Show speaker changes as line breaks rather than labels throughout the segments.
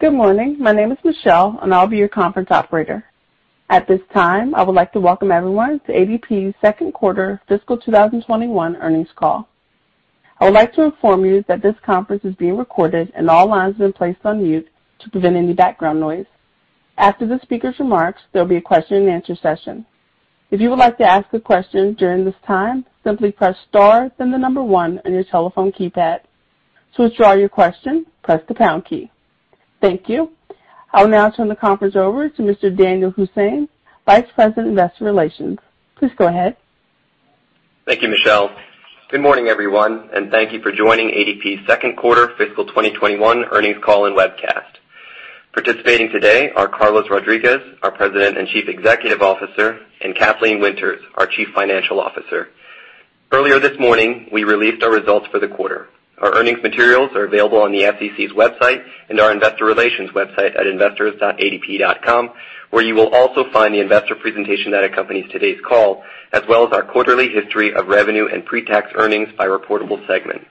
Good morning. My name is Michelle, and I'll be your conference operator. At this time, I would like to welcome everyone to ADP's second quarter fiscal 2021 earnings call. I would like to inform you that this conference is being recorded and all lines have been placed on mute to prevent any background noise. After the speaker's remarks, there'll be a question and answer session. If you would like to ask a question during this time, simply press star, then the number one on your telephone keypad. To withdraw your question, press the pound key. Thank you. I will now turn the conference over to Mr. Danyal Hussain, Vice President, Investor Relations. Please go ahead.
Thank you, Michelle. Good morning, everyone, and thank you for joining ADP's second quarter fiscal 2021 earnings call and webcast. Participating today are Carlos Rodriguez, our President and Chief Executive Officer, and Kathleen Winters, our Chief Financial Officer. Earlier this morning, we released our results for the quarter. Our earnings materials are available on the SEC's website and our investor relations website at investors.adp.com, where you will also find the investor presentation that accompanies today's call, as well as our quarterly history of revenue and pre-tax earnings by reportable segment.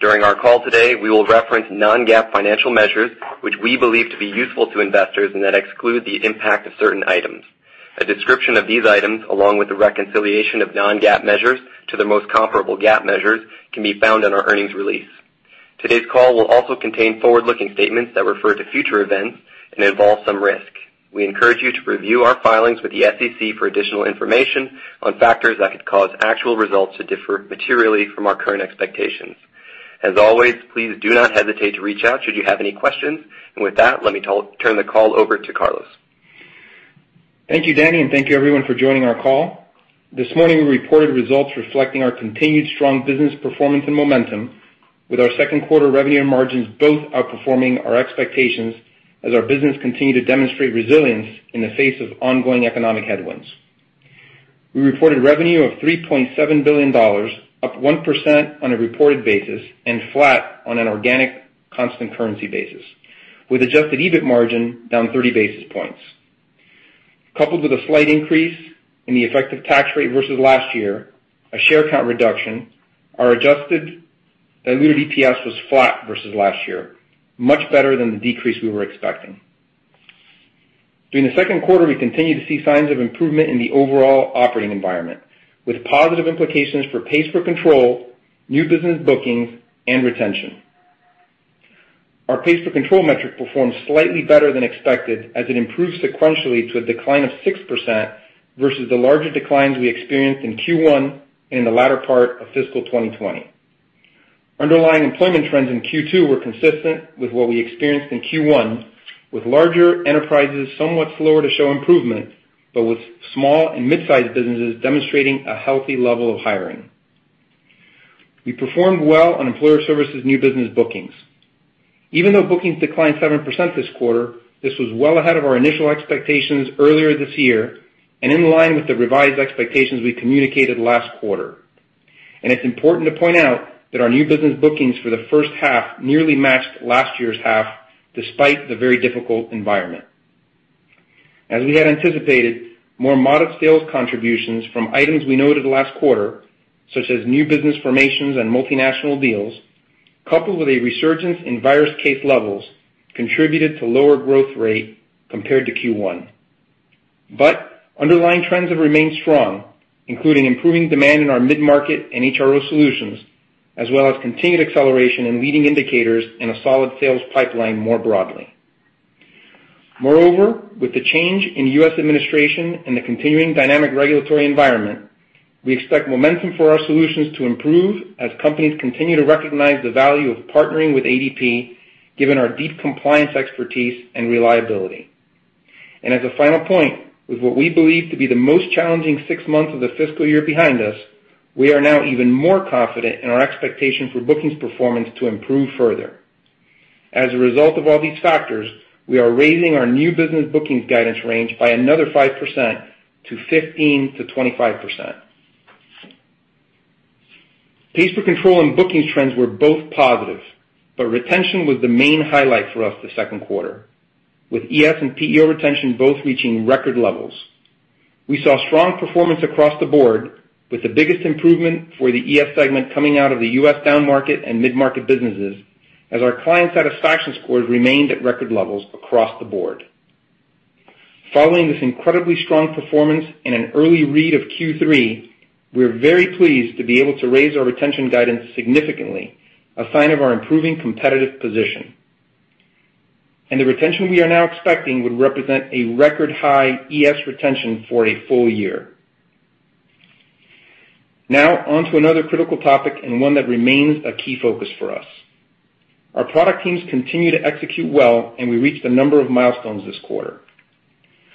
During our call today, we will reference non-GAAP financial measures, which we believe to be useful to investors and that exclude the impact of certain items. A description of these items, along with a reconciliation of non-GAAP measures to the most comparable GAAP measures, can be found in our earnings release. Today's call will also contain forward-looking statements that refer to future events and involve some risk. We encourage you to review our filings with the SEC for additional information on factors that could cause actual results to differ materially from our current expectations. As always, please do not hesitate to reach out should you have any questions. With that, let me turn the call over to Carlos.
Thank you, Danyal, and thank you everyone for joining our call. This morning, we reported results reflecting our continued strong business performance and momentum with our second quarter revenue and margins both outperforming our expectations as our business continued to demonstrate resilience in the face of ongoing economic headwinds. We reported revenue of $3.7 billion, up 1% on a reported basis and flat on an organic constant currency basis, with adjusted EBIT margin down 30 basis points. Coupled with a slight increase in the effective tax rate versus last year, a share count reduction, our adjusted diluted EPS was flat versus last year, much better than the decrease we were expecting. During the second quarter, we continued to see signs of improvement in the overall operating environment, with positive implications for pays per control, new business bookings, and retention. Our pays per control metric performed slightly better than expected as it improved sequentially to a decline of 6% versus the larger declines we experienced in Q1 and in the latter part of fiscal 2020. Underlying employment trends in Q2 were consistent with what we experienced in Q1, with larger enterprises somewhat slower to show improvement, but with small and mid-sized businesses demonstrating a healthy level of hiring. We performed well on Employer Services new business bookings. Bookings declined 7% this quarter, this was well ahead of our initial expectations earlier this year and in line with the revised expectations we communicated last quarter. It's important to point out that our new business bookings for the first half nearly matched last year's half, despite the very difficult environment. As we had anticipated, more modest sales contributions from items we noted last quarter, such as new business formations and multinational deals, coupled with a resurgence in virus case levels, contributed to lower growth rate compared to Q1. Underlying trends have remained strong, including improving demand in our mid-market and HRO solutions, as well as continued acceleration in leading indicators and a solid sales pipeline more broadly. With the change in U.S. administration and the continuing dynamic regulatory environment, we expect momentum for our solutions to improve as companies continue to recognize the value of partnering with ADP, given our deep compliance expertise and reliability. As a final point, with what we believe to be the most challenging six months of the fiscal year behind us, we are now even more confident in our expectation for bookings performance to improve further. As a result of all these factors, we are raising our new business bookings guidance range by another 5% to 15%-25%. Pays per control and bookings trends were both positive, but retention was the main highlight for us this second quarter, with ES and PEO retention both reaching record levels. We saw strong performance across the board, with the biggest improvement for the ES segment coming out of the U.S. downmarket and mid-market businesses, as our client satisfaction scores remained at record levels across the board. Following this incredibly strong performance and an early read of Q3, we're very pleased to be able to raise our retention guidance significantly, a sign of our improving competitive position. The retention we are now expecting would represent a record high ES retention for a full year. Now on to another critical topic and one that remains a key focus for us. Our product teams continue to execute well, and we reached a number of milestones this quarter.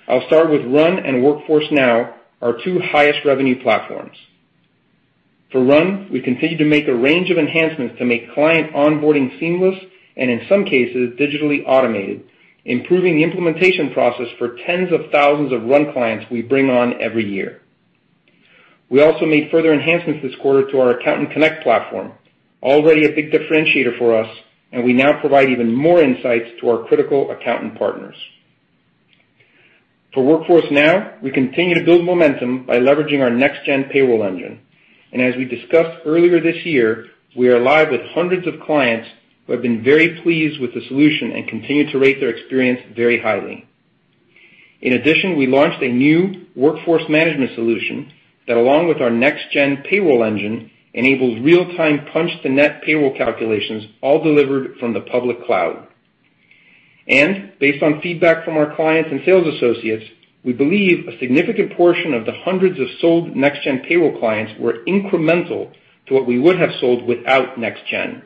I'll start with RUN and Workforce Now, our two highest revenue platforms. For RUN, we continued to make a range of enhancements to make client onboarding seamless, and in some cases, digitally automated, improving the implementation process for tens of thousands of RUN clients we bring on every year. We also made further enhancements this quarter to our Accountant Connect platform, already a big differentiator for us, and we now provide even more insights to our critical accountant partners. For Workforce Now, we continue to build momentum by leveraging our Next Gen Payroll engine. As we discussed earlier this year, we are live with hundreds of clients who have been very pleased with the solution and continue to rate their experience very highly. In addition, we launched a new Workforce Management Solution that, along with our Next Gen Payroll engine, enables real-time punch to net payroll calculations, all delivered from the public cloud. Based on feedback from our clients and sales associates, we believe a significant portion of the hundreds of sold Next Gen Payroll clients were incremental to what we would have sold without Next Gen,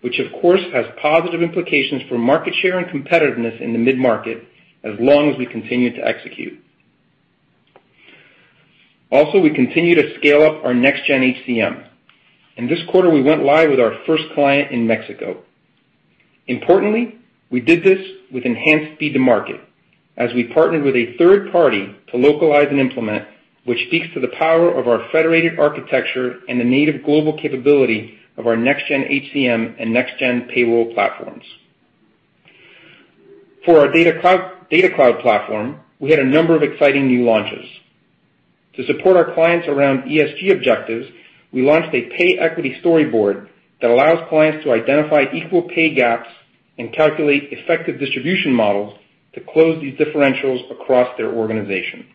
which, of course, has positive implications for market share and competitiveness in the mid-market as long as we continue to execute. We continue to scale up our Next Gen HCM. In this quarter, we went live with our first client in Mexico. Importantly, we did this with enhanced speed to market as we partnered with a third party to localize and implement, which speaks to the power of our federated architecture and the native global capability of our Next Gen HCM and Next Gen Payroll platforms. For our DataCloud platform, we had a number of exciting new launches. To support our clients around ESG objectives, we launched a pay equity storyboard that allows clients to identify equal pay gaps and calculate effective distribution models to close these differentials across their organization.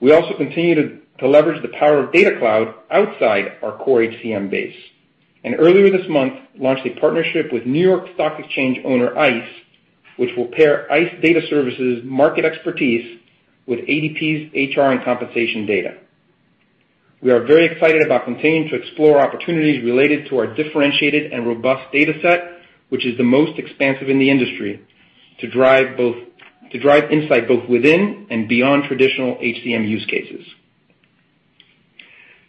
We also continue to leverage the power of DataCloud outside our core HCM base, and earlier this month, launched a partnership with New York Stock Exchange owner, ICE, which will pair ICE Data Services market expertise with ADP's HR and compensation data. We are very excited about continuing to explore opportunities related to our differentiated and robust data set, which is the most expansive in the industry, to drive insight both within and beyond traditional HCM use cases.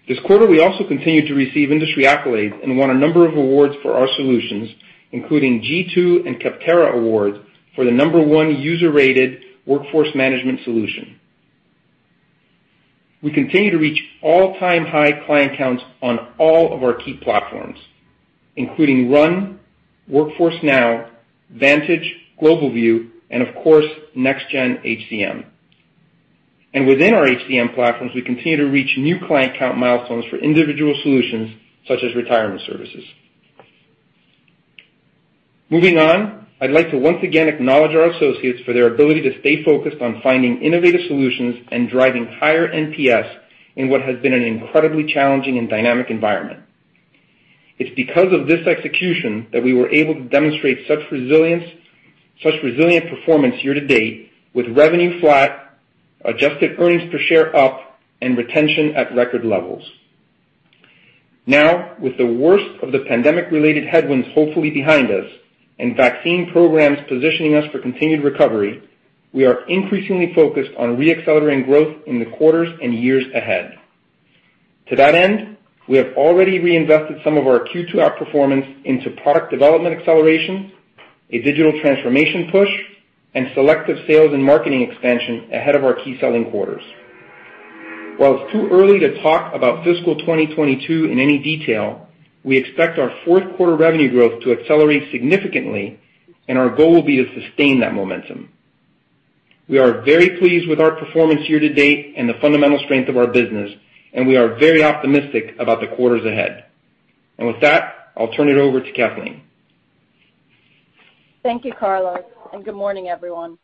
This quarter, we also continued to receive industry accolades and won a number of awards for our solutions, including G2 and Capterra award for the number one user-rated workforce management solution. We continue to reach all-time high client counts on all of our key platforms, including RUN, Workforce Now, Vantage, GlobalView, and of course, Next Gen HCM. Within our HCM platforms, we continue to reach new client count milestones for individual solutions such as retirement services. Moving on, I'd like to once again acknowledge our associates for their ability to stay focused on finding innovative solutions and driving higher NPS in what has been an incredibly challenging and dynamic environment. It's because of this execution that we were able to demonstrate such resilient performance year-to-date with revenue flat, adjusted earnings per share up, and retention at record levels. Now, with the worst of the pandemic-related headwinds hopefully behind us and vaccine programs positioning us for continued recovery, we are increasingly focused on re-accelerating growth in the quarters and years ahead. To that end, we have already reinvested some of our Q2 outperformance into product development acceleration, a digital transformation push, and selective sales and marketing expansion ahead of our key selling quarters. While it's too early to talk about fiscal 2022 in any detail, we expect our fourth quarter revenue growth to accelerate significantly, and our goal will be to sustain that momentum. We are very pleased with our performance year to date and the fundamental strength of our business, and we are very optimistic about the quarters ahead. With that, I'll turn it over to Kathleen.
Thank you, Carlos, and good morning, everyone.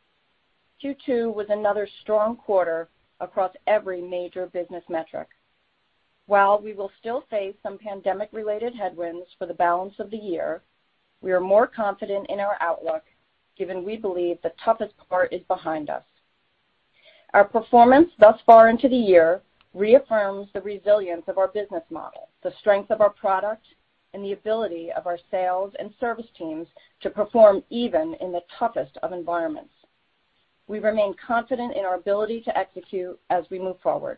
Q2 was another strong quarter across every major business metric. While we will still face some pandemic-related headwinds for the balance of the year, we are more confident in our outlook, given we believe the toughest part is behind us. Our performance thus far into the year reaffirms the resilience of our business model, the strength of our product, and the ability of our sales and service teams to perform even in the toughest of environments. We remain confident in our ability to execute as we move forward.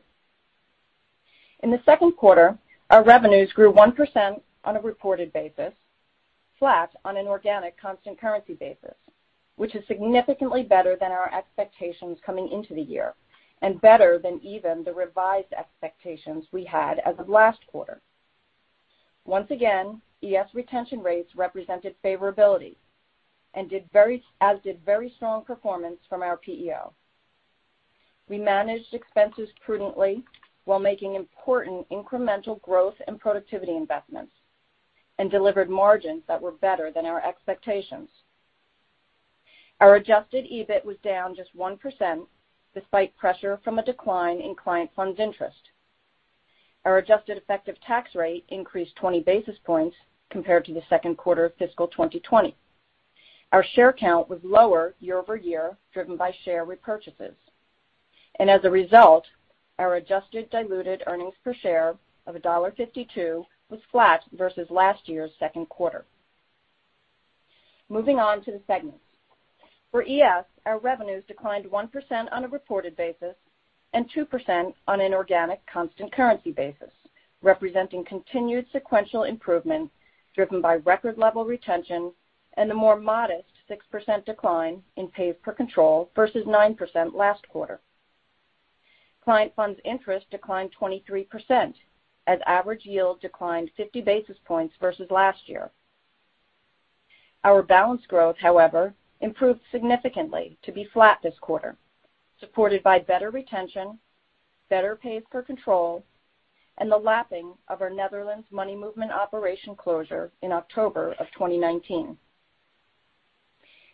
In the second quarter, our revenues grew 1% on a reported basis, flat on an organic constant currency basis, which is significantly better than our expectations coming into the year, and better than even the revised expectations we had as of last quarter. Once again, ES retention rates represented favorability, as did very strong performance from our PEO. We managed expenses prudently while making important incremental growth and productivity investments and delivered margins that were better than our expectations. Our adjusted EBIT was down just 1%, despite pressure from a decline in client funds interest. Our adjusted effective tax rate increased 20 basis points compared to the second quarter of fiscal 2020. Our share count was lower year-over-year, driven by share repurchases. As a result, our adjusted diluted earnings per share of $1.52 was flat versus last year's second quarter. Moving on to the segments. For ES, our revenues declined 1% on a reported basis and 2% on an organic constant currency basis, representing continued sequential improvement driven by record level retention and a more modest 6% decline in pays per control versus 9% last quarter. Client funds interest declined 23% as average yield declined 50 basis points versus last year. Our balance growth, however, improved significantly to be flat this quarter, supported by better retention, better pays per control, and the lapping of our Netherlands money movement operation closure in October of 2019.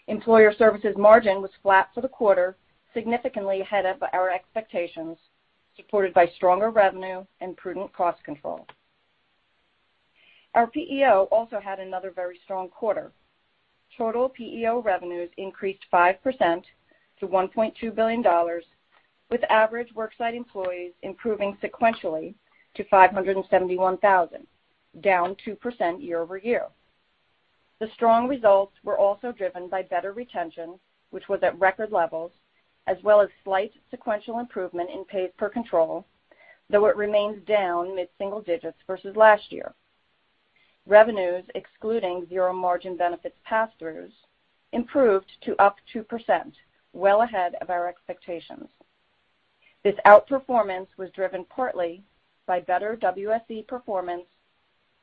Employer Services margin was flat for the quarter, significantly ahead of our expectations, supported by stronger revenue and prudent cost control. Our PEO also had another very strong quarter. Total PEO revenues increased 5% to $1.2 billion, with average worksite employees improving sequentially to 571,000, down 2% year-over-year. The strong results were also driven by better retention, which was at record levels, as well as slight sequential improvement in pays per control, though it remains down mid-single digits versus last year. Revenues, excluding zero-margin benefits passthroughs, improved to up 2%, well ahead of our expectations. This outperformance was driven partly by better WSE performance,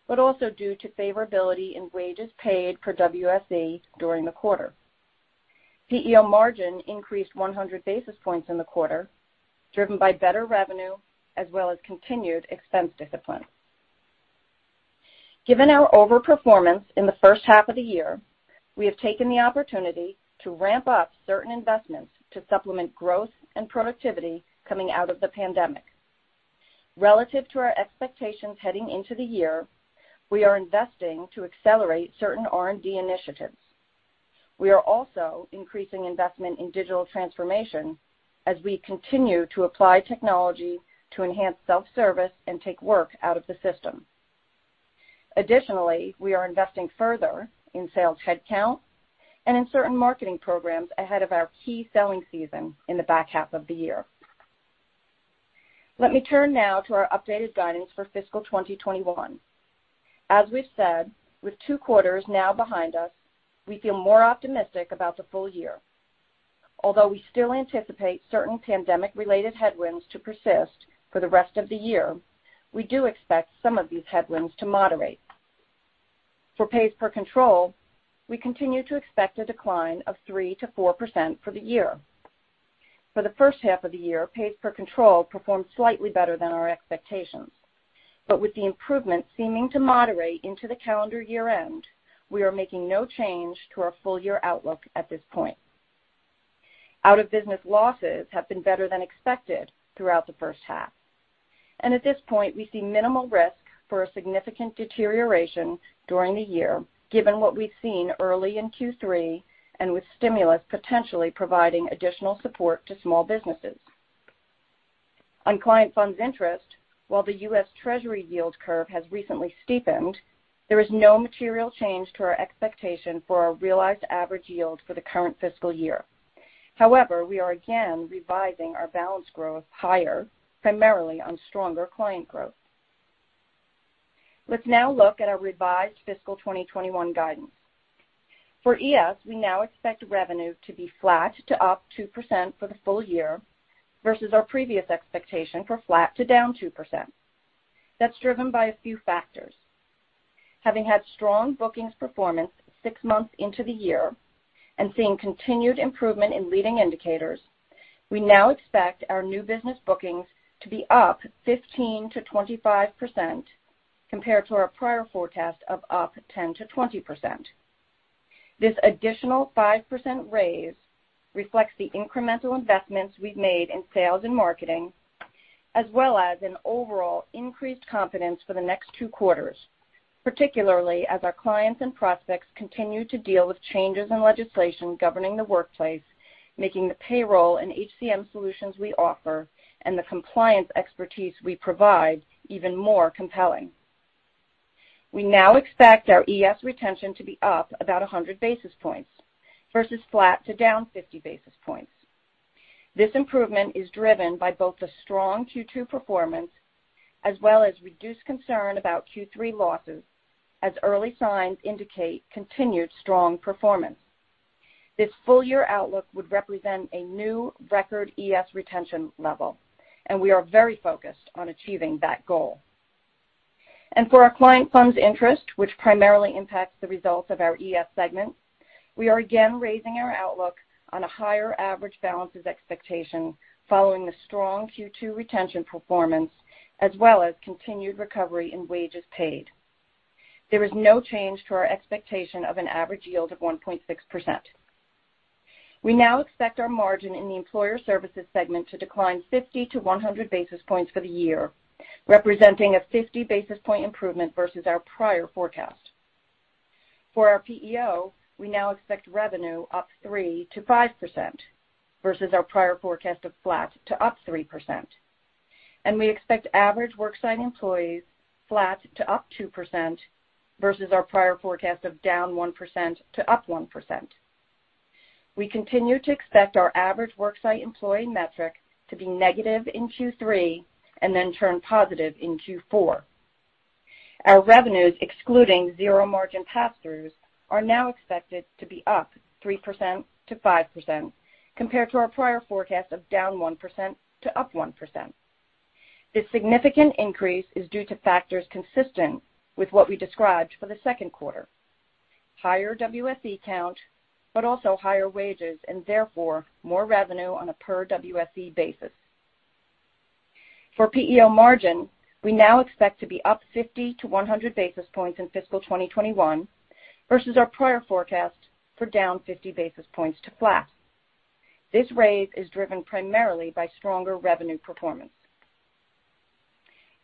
but also due to favorability in wages paid per WSE during the quarter. PEO margin increased 100 basis points in the quarter, driven by better revenue as well as continued expense discipline. Given our over-performance in the first half of the year, we have taken the opportunity to ramp up certain investments to supplement growth and productivity coming out of the pandemic. Relative to our expectations heading into the year, we are investing to accelerate certain R&D initiatives. We are also increasing investment in digital transformation as we continue to apply technology to enhance self-service and take work out of the system. Additionally, we are investing further in sales headcount and in certain marketing programs ahead of our key selling season in the back half of the year. Let me turn now to our updated guidance for fiscal 2021. As we've said, with two quarters now behind us, we feel more optimistic about the full year. Although we still anticipate certain pandemic-related headwinds to persist for the rest of the year, we do expect some of these headwinds to moderate. For pays per control, we continue to expect a decline of 3%-4% for the year. For the first half of the year, pays per control performed slightly better than our expectations. With the improvement seeming to moderate into the calendar year end, we are making no change to our full year outlook at this point. Out of business losses have been better than expected throughout the first half. At this point, we see minimal risk for a significant deterioration during the year, given what we've seen early in Q3, and with stimulus potentially providing additional support to small businesses. On client funds interest, while the U.S. Treasury yield curve has recently steepened, there is no material change to our expectation for our realized average yield for the current fiscal year. We are again revising our balance growth higher, primarily on stronger client growth. Let's now look at our revised fiscal 2021 guidance. For ES, we now expect revenue to be flat to up 2% for the full year versus our previous expectation for flat to down 2%. That's driven by a few factors. Having had strong bookings performance six months into the year and seeing continued improvement in leading indicators, we now expect our new business bookings to be up 15%-25% compared to our prior forecast of up 10%-20%. This additional 5% raise reflects the incremental investments we've made in sales and marketing, as well as an overall increased confidence for the next two quarters, particularly as our clients and prospects continue to deal with changes in legislation governing the workplace, making the payroll and HCM solutions we offer and the compliance expertise we provide even more compelling. We now expect our ES retention to be up about 100 basis points versus flat to down 50 basis points. This improvement is driven by both the strong Q2 performance, as well as reduced concern about Q3 losses, as early signs indicate continued strong performance. This full-year outlook would represent a new record ES retention level. We are very focused on achieving that goal. For our client funds interest, which primarily impacts the results of our ES segment, we are again raising our outlook on a higher average balances expectation following the strong Q2 retention performance, as well as continued recovery in wages paid. There is no change to our expectation of an average yield of 1.6%. We now expect our margin in the Employer Services segment to decline 50-100 basis points for the year, representing a 50 basis point improvement versus our prior forecast. For our PEO, we now expect revenue up 3%-5% versus our prior forecast of flat to up 3%. We expect average worksite employees flat to up 2% versus our prior forecast of -1% to 1%. We continue to expect our average worksite employee metric to be negative in Q3 and then turn positive in Q4. Our revenues, excluding zero margin passthroughs, are now expected to be +3% to +5%, compared to our prior forecast of -1% to +1%. This significant increase is due to factors consistent with what we described for the second quarter. Higher WSE count, but also higher wages, and therefore, more revenue on a per WSE basis. For PEO margin, we now expect to be up +50 to +100 basis points in fiscal 2021, versus our prior forecast for -50 basis points to flat. This raise is driven primarily by stronger revenue performance.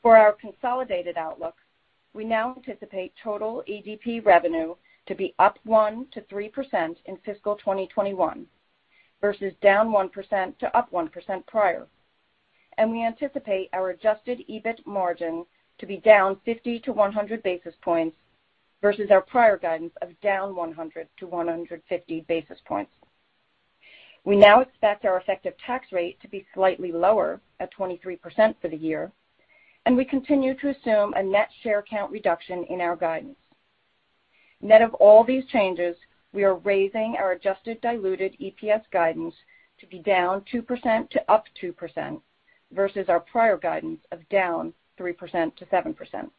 For our consolidated outlook, we now anticipate total ADP revenue to be +1% to +3% in fiscal 2021, versus -1% to +1% prior. We anticipate our adjusted EBIT margin to be down 50-100 basis points versus our prior guidance of down 100-150 basis points. We now expect our effective tax rate to be slightly lower at 23% for the year, and we continue to assume a net share count reduction in our guidance. Net of all these changes, we are raising our adjusted diluted EPS guidance to be -2% to +2%, versus our prior guidance of -3%-7%.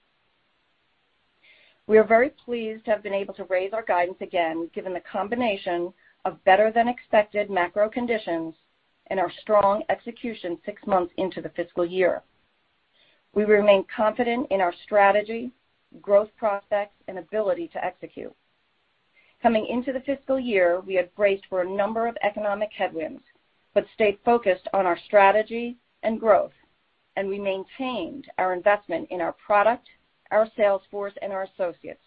We are very pleased to have been able to raise our guidance again, given the combination of better than expected macro conditions and our strong execution six months into the fiscal year. We remain confident in our strategy, growth prospects, and ability to execute. Coming into the fiscal year, we had braced for a number of economic headwinds, stayed focused on our strategy and growth, we maintained our investment in our product, our sales force, and our associates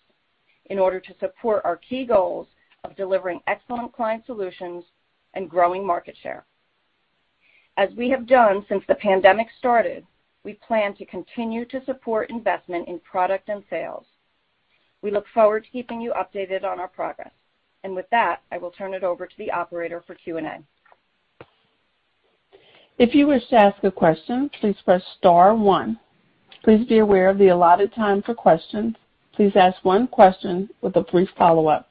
in order to support our key goals of delivering excellent client solutions and growing market share. As we have done since the pandemic started, we plan to continue to support investment in product and sales. We look forward to keeping you updated on our progress. With that, I will turn it over to the operator for Q&A.
If you wish to ask a question, please press star one. Please be aware of the allotted time for questions. Please ask one question with a brief follow-up.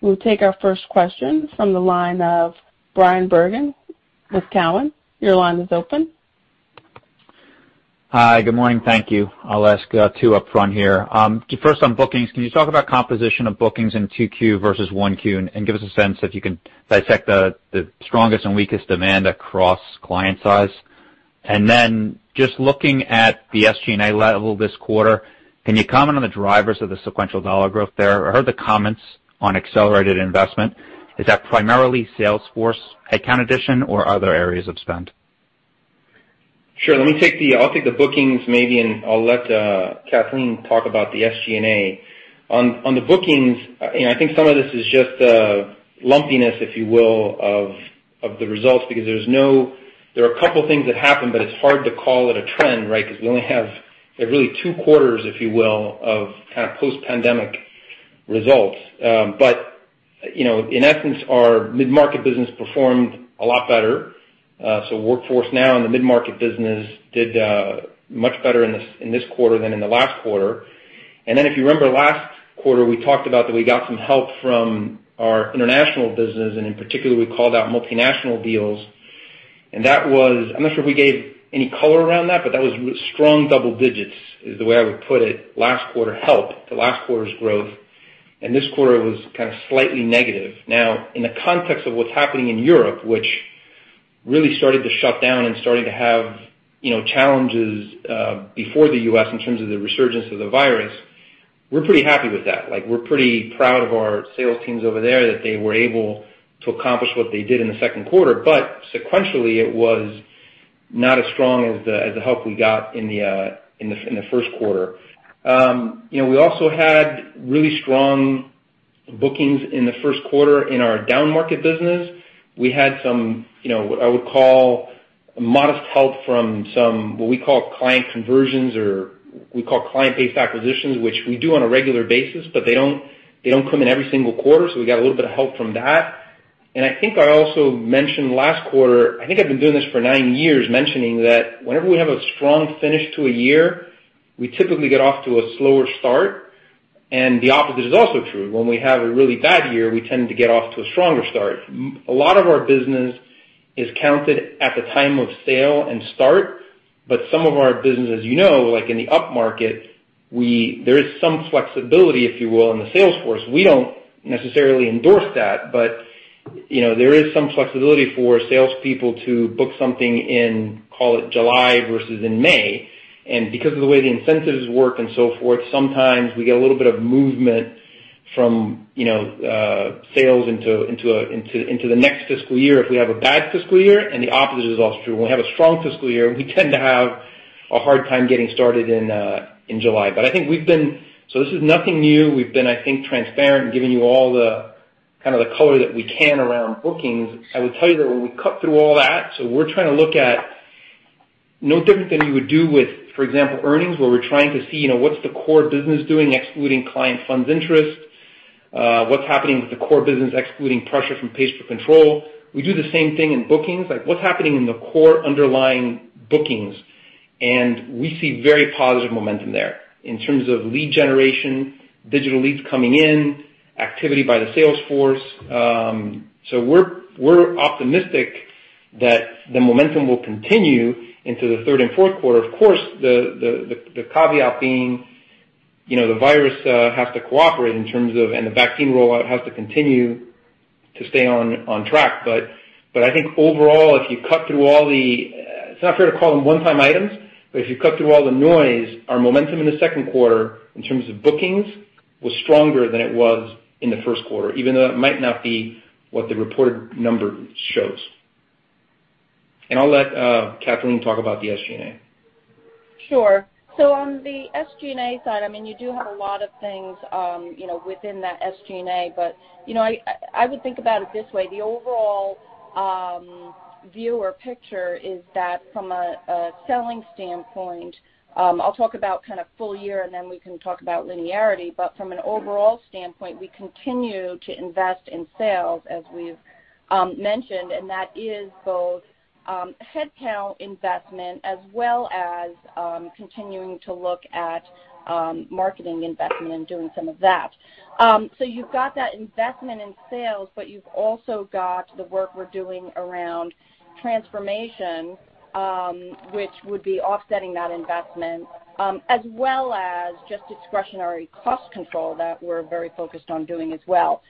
We'll take our first question from the line of Bryan Bergin with Cowen. Your line is open.
Hi. Good morning. Thank you. I'll ask two upfront here. First on bookings, can you talk about composition of bookings in 2Q versus 1Q, and give us a sense if you can dissect the strongest and weakest demand across client size? Then just looking at the SG&A level this quarter, can you comment on the drivers of the sequential dollar growth there? I heard the comments on accelerated investment. Is that primarily sales force headcount addition or other areas of spend?
Sure. I'll take the bookings maybe, and I'll let Kathleen talk about the SG&A. On the bookings, I think some of this is just lumpiness, if you will, of the results because there are a couple things that happened, but it's hard to call it a trend, right? We only have really two quarters, if you will, of kind of post-pandemic results. In essence, our mid-market business performed a lot better. Workforce Now and the mid-market business did much better in this quarter than in the last quarter. If you remember last quarter, we talked about that we got some help from our international business, and in particular, we called out multinational deals. I'm not sure if we gave any color around that, but that was strong double digits, is the way I would put it. Last quarter helped the last quarter's growth, this quarter was kind of slightly negative. In the context of what's happening in Europe, which really started to shut down and started to have challenges before the U.S. in terms of the resurgence of the virus, we're pretty happy with that. We're pretty proud of our sales teams over there that they were able to accomplish what they did in the second quarter. Sequentially, it was not as strong as the help we got in the first quarter. We also had really strong bookings in the first quarter in our downmarket business. We had some, what I would call modest help from some, what we call client conversions, or we call client-based acquisitions, which we do on a regular basis, but they don't come in every single quarter, so we got a little bit of help from that. I think I also mentioned last quarter, I think I've been doing this for nine years, mentioning that whenever we have a strong finish to a year, we typically get off to a slower start, and the opposite is also true. When we have a really bad year, we tend to get off to a stronger start. A lot of our business is counted at the time of sale and start, but some of our business, as you know, like in the upmarket, there is some flexibility, if you will, in the sales force. We don't necessarily endorse that, but there is some flexibility for salespeople to book something in, call it July versus in May. Because of the way the incentives work and so forth, sometimes we get a little bit of movement from sales into the next fiscal year if we have a bad fiscal year. The opposite is also true. When we have a strong fiscal year, we tend to have a hard time getting started in July. This is nothing new. We've been, I think, transparent in giving you all the kind of the color that we can around bookings. I will tell you that when we cut through all that, we're trying to look at no different than you would do with, for example, earnings, where we're trying to see what's the core business doing, excluding client funds interest. What's happening with the core business, excluding pressure from pays per control? We do the same thing in bookings, like what's happening in the core underlying bookings. We see very positive momentum there in terms of lead generation, digital leads coming in, activity by the sales force. We're optimistic that the momentum will continue into the third and fourth quarter. Of course, the caveat being, the virus has to cooperate, and the vaccine rollout has to continue to stay on track. I think overall, if you cut through, it's not fair to call them one-time items, but if you cut through all the noise, our momentum in the second quarter in terms of bookings was stronger than it was in the first quarter, even though it might not be what the reported number shows. I'll let Kathleen talk about the SG&A.
Sure. On the SG&A side, you do have a lot of things within that SG&A. I would think about it this way. The overall view or picture is that from a selling standpoint, I'll talk about full year, and then we can talk about linearity. From an overall standpoint, we continue to invest in sales, as we've mentioned, and that is both headcount investment as well as continuing to look at marketing investment and doing some of that. You've got that investment in sales, but you've also got the work we're doing around transformation, which would be offsetting that investment, as well as just discretionary cost control that we're very focused on doing as well.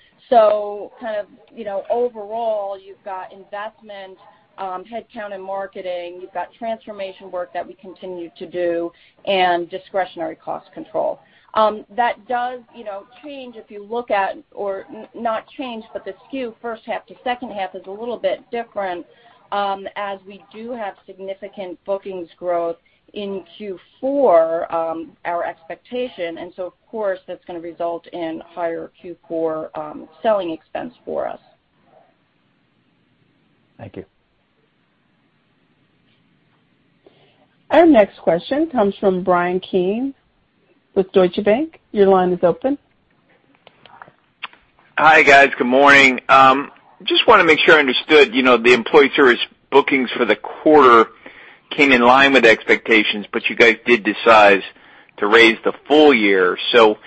Overall, you've got investment, headcount and marketing, you've got transformation work that we continue to do and discretionary cost control. That does change, or not change, but the skew first half to second half is a little bit different, as we do have significant bookings growth in Q4, our expectation, and so of course, that's going to result in higher Q4 selling expense for us.
Thank you.
Our next question comes from Bryan Keane with Deutsche Bank. Your line is open.
Hi, guys. Good morning. Just want to make sure I understood. The Employer Service bookings for the quarter came in line with expectations, you guys did decide to raise the full year. Just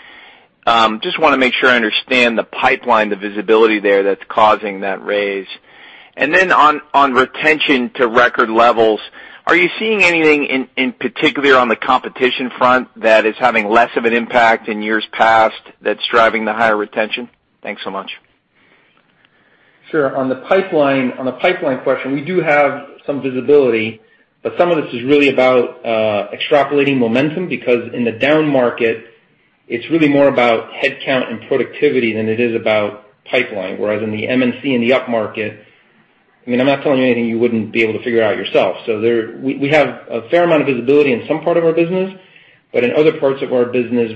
want to make sure I understand the pipeline, the visibility there that's causing that raise. On retention to record levels, are you seeing anything in particular on the competition front that is having less of an impact in years past that's driving the higher retention? Thanks so much.
Sure. On the pipeline question, we do have some visibility, but some of this is really about extrapolating momentum because in the down market, it's really more about headcount and productivity than it is about pipeline, whereas in the MNC in the up market, I'm not telling you anything you wouldn't be able to figure out yourself. We have a fair amount of visibility in some part of our business, but in other parts of our business,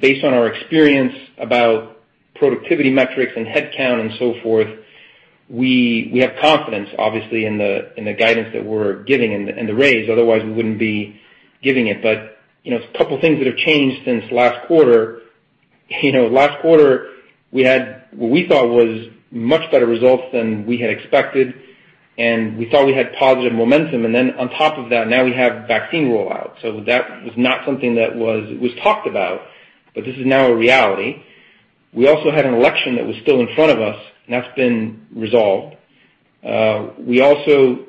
based on our experience about productivity metrics and headcount and so forth, we have confidence, obviously, in the guidance that we're giving and the raise. Otherwise, we wouldn't be giving it. A couple of things that have changed since last quarter. Last quarter, we had what we thought was much better results than we had expected, and we thought we had positive momentum. Then on top of that, now we have vaccine rollout. That was not something that was talked about, but this is now a reality. We also had an election that was still in front of us, and that's been resolved. We also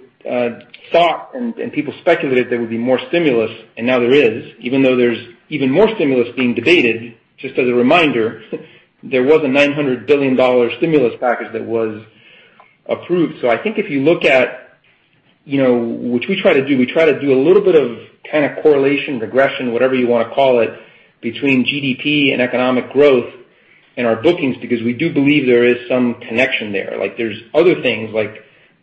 thought, and people speculated there would be more stimulus, and now there is, even though there's even more stimulus being debated. Just as a reminder, there was a $900 billion stimulus package that was approved. I think if you look at which we try to do, we try to do a little bit of correlation, regression, whatever you want to call it, between GDP and economic growth and our bookings, because we do believe there is some connection there. There's other things like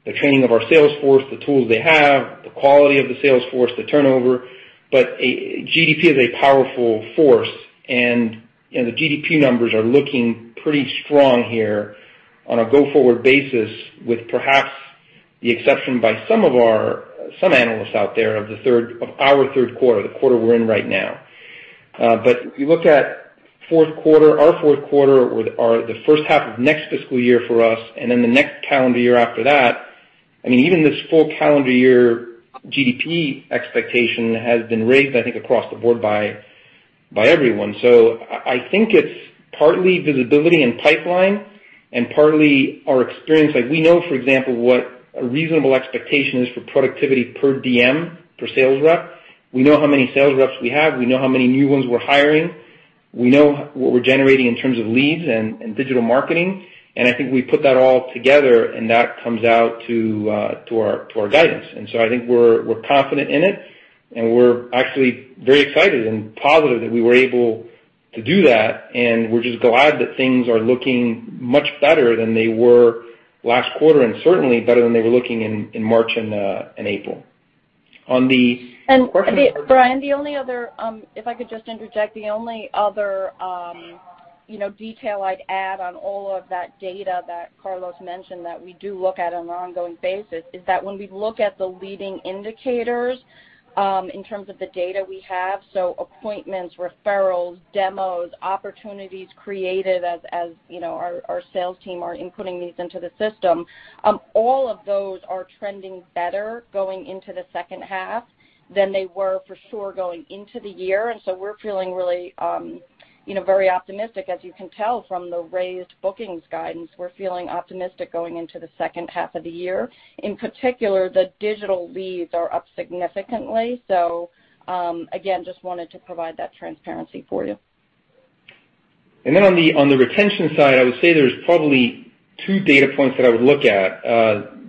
the training of our sales force, the tools they have, the quality of the sales force, the turnover. GDP is a powerful force, and the GDP numbers are looking pretty strong here on a go-forward basis, with perhaps the exception by some analysts out there of our third quarter, the quarter we're in right now. If you look at fourth quarter, our fourth quarter or the first half of next fiscal year for us, and then the next calendar year after that, even this full calendar year GDP expectation has been raised, I think, across the board by everyone. I think it's partly visibility and pipeline and partly our experience. We know, for example, what a reasonable expectation is for productivity per DM, per sales rep. We know how many sales reps we have. We know how many new ones we're hiring. We know what we're generating in terms of leads and digital marketing. I think we put that all together and that comes out to our guidance. I think we're confident in it, and we're actually very excited and positive that we were able to do that. We're just glad that things are looking much better than they were last quarter and certainly better than they were looking in March and April.
Bryan, if I could just interject, the only other detail I'd add on all of that data that Carlos mentioned, that we do look at on an ongoing basis, is that when we look at the leading indicators, in terms of the data we have, so appointments, referrals, demos, opportunities created as our sales team are inputting these into the system, all of those are trending better going into the second half than they were for sure going into the year. We're feeling really very optimistic. As you can tell from the raised bookings guidance, we're feeling optimistic going into the second half of the year. In particular, the digital leads are up significantly. Again, just wanted to provide that transparency for you.
On the retention side, I would say there's probably two data points that I would look at.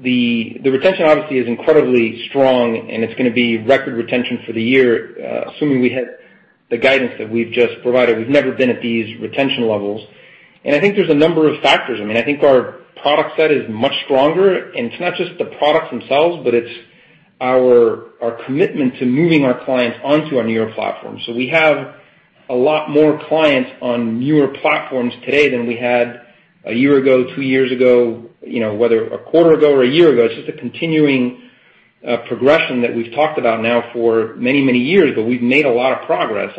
The retention obviously is incredibly strong, and it's going to be record retention for the year, assuming we hit the guidance that we've just provided. We've never been at these retention levels. I think there's a number of factors. I think our product set is much stronger, and it's not just the products themselves, but it's our commitment to moving our clients onto our newer platforms. We have a lot more clients on newer platforms today than we had a year ago, two years ago, whether a quarter ago or a year ago. It's just a continuing progression that we've talked about now for many, many years. We've made a lot of progress.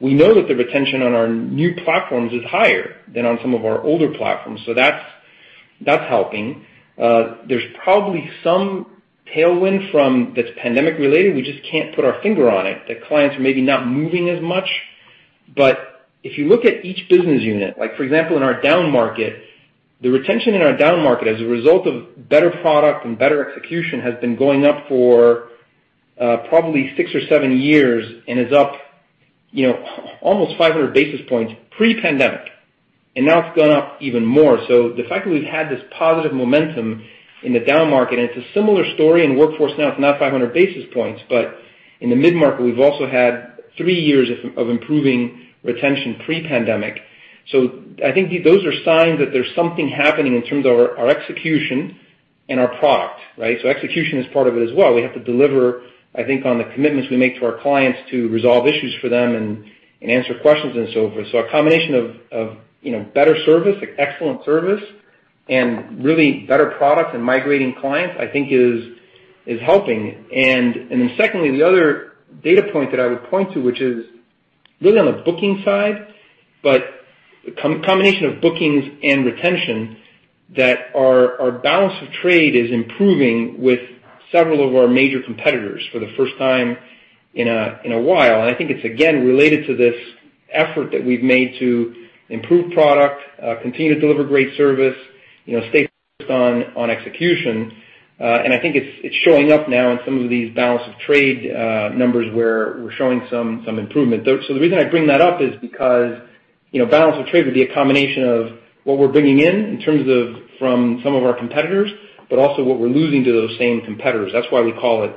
We know that the retention on our new platforms is higher than on some of our older platforms, so that's helping. There's probably some tailwind that's pandemic related, we just can't put our finger on it, that clients are maybe not moving as much. If you look at each business unit, like for example, in our down market, the retention in our down market as a result of better product and better execution, has been going up for probably six or seven years and is up almost 500 basis points pre-pandemic. Now it's gone up even more. The fact that we've had this positive momentum in the down market, and it's a similar story in Workforce Now it's not 500 basis points, but in the mid-market, we've also had three years of improving retention pre-pandemic. I think those are signs that there's something happening in terms of our execution and our product, right? Execution is part of it as well. We have to deliver on the commitments we make to our clients to resolve issues for them and answer questions and so forth. A combination of better service, excellent service, and really better product and migrating clients, I think is helping. Secondly, the other data point that I would point to, which is really on the booking side, but the combination of bookings and retention, that our balance of trade is improving with several of our major competitors for the first time in a while. I think it's, again, related to this effort that we've made to improve product, continue to deliver great service, stay focused on execution. I think it's showing up now in some of these balance of trade numbers where we're showing some improvement. The reason I bring that up is because balance of trade would be a combination of what we're bringing in terms of from some of our competitors, but also what we're losing to those same competitors. That's why we call it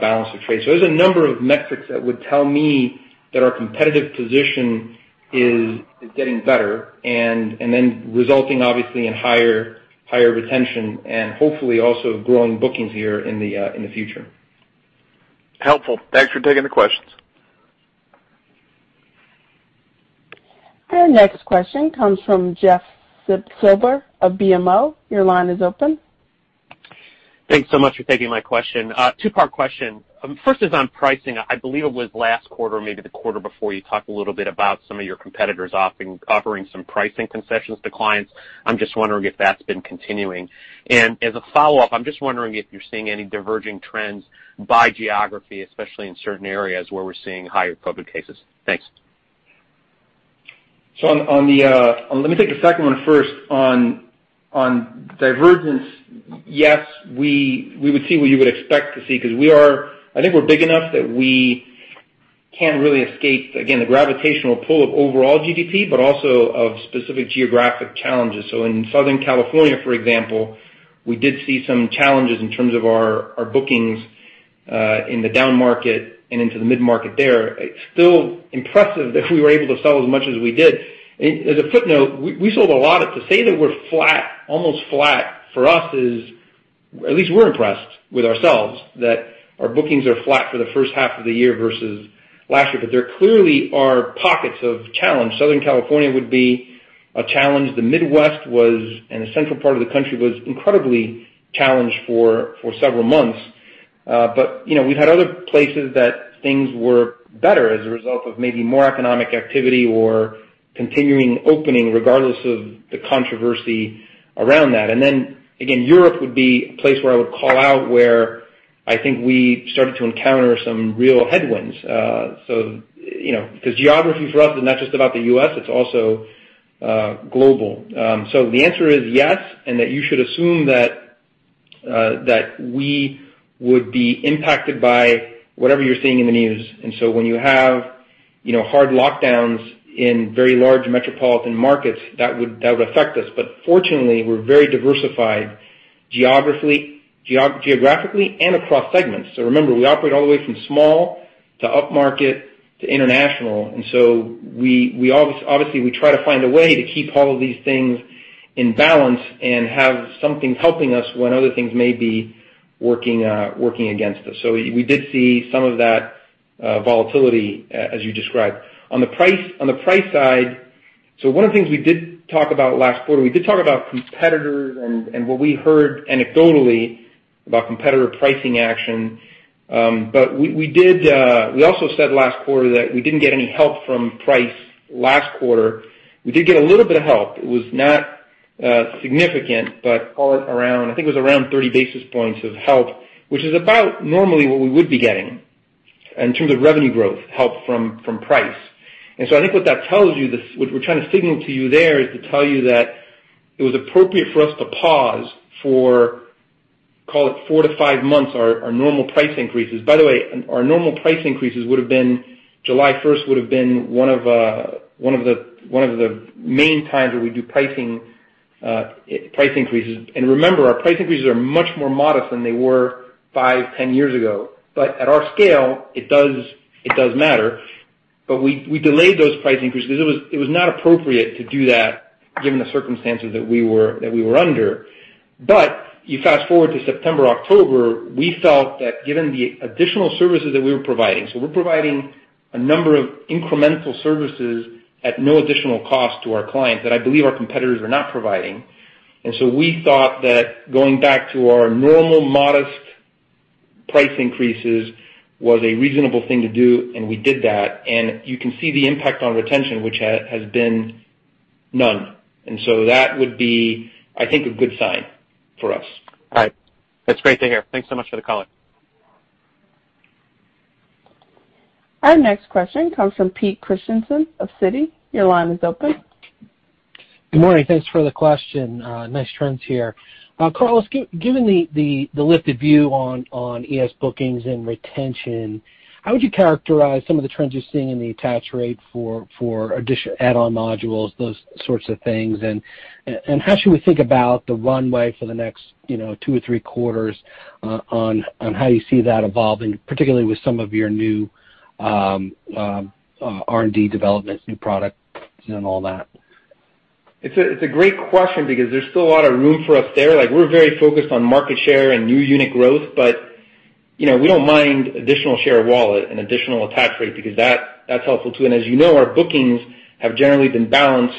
balance of trade. There's a number of metrics that would tell me that our competitive position is getting better and then resulting obviously in higher retention and hopefully also growing bookings here in the future.
Helpful. Thanks for taking the questions.
Our next question comes from Jeff Silber of BMO Capital Markets. Your line is open.
Thanks so much for taking my question. Two-part question. First is on pricing. I believe it was last quarter or maybe the quarter before, you talked a little bit about some of your competitors offering some pricing concessions to clients. I'm just wondering if that's been continuing. As a follow-up, I'm just wondering if you're seeing any diverging trends by geography, especially in certain areas where we're seeing higher COVID cases. Thanks.
Let me take the second one first. On divergence, yes, we would see what you would expect to see because I think we're big enough that we can't really escape, again, the gravitational pull of overall GDP, but also of specific geographic challenges. In Southern California, for example, we did see some challenges in terms of our bookings, in the down market and into the mid-market there. Still impressive that we were able to sell as much as we did. As a footnote, we sold a lot. To say that we're almost flat, for us is, at least we're impressed with ourselves that our bookings are flat for the first half of the year versus last year. There clearly are pockets of challenge. Southern California would be a challenge. The Midwest and the central part of the country was incredibly challenged for several months. We've had other places that things were better as a result of maybe more economic activity or continuing opening, regardless of the controversy around that. Then, again, Europe would be a place where I would call out where I think we started to encounter some real headwinds. Geography for us is not just about the U.S., it's also global. The answer is yes, and that you should assume that we would be impacted by whatever you're seeing in the news. When you have hard lockdowns in very large metropolitan markets, that would affect us. Fortunately, we're very diversified geographically and across segments. Remember, we operate all the way from small to upmarket to international, obviously, we try to find a way to keep all of these things in balance and have some things helping us when other things may be working against us. We did see some of that volatility as you described. On the price side, one of the things we did talk about last quarter, we did talk about competitors and what we heard anecdotally about competitor pricing action. We also said last quarter that we didn't get any help from price last quarter. We did get a little bit of help. It was not significant, but call it around, I think it was around 30 basis points of help, which is about normally what we would be getting in terms of revenue growth help from price. I think what that tells you, what we're trying to signal to you there, is to tell you that it was appropriate for us to pause for, call it four to five months, our normal price increases. By the way, our normal price increases would have been July 1st would have been one of the main times where we do price increases. Remember, our price increases are much more modest than they were five, 10 years ago. At our scale, it does matter. We delayed those price increases because it was not appropriate to do that given the circumstances that we were under. You fast-forward to September, October, we felt that given the additional services that we were providing, so we're providing a number of incremental services at no additional cost to our clients that I believe our competitors are not providing. We thought that going back to our normal modest price increases was a reasonable thing to do, and we did that, and you can see the impact on retention, which has been none. That would be, I think, a good sign for us.
All right. That's great to hear. Thanks so much for the color.
Our next question comes from Pete Christiansen of Citi. Your line is open.
Good morning. Thanks for the question. Nice trends here. Carlos, given the lifted view on ES bookings and retention, how would you characterize some of the trends you're seeing in the attach rate for add-on modules, those sorts of things? How should we think about the runway for the next two or three quarters, on how you see that evolving, particularly with some of your new R&D developments, new products and all that?
It's a great question because there's still a lot of room for us there. We're very focused on market share and new unit growth, but we don't mind additional share of wallet and additional attach rate because that's helpful, too. As you know, our bookings have generally been balanced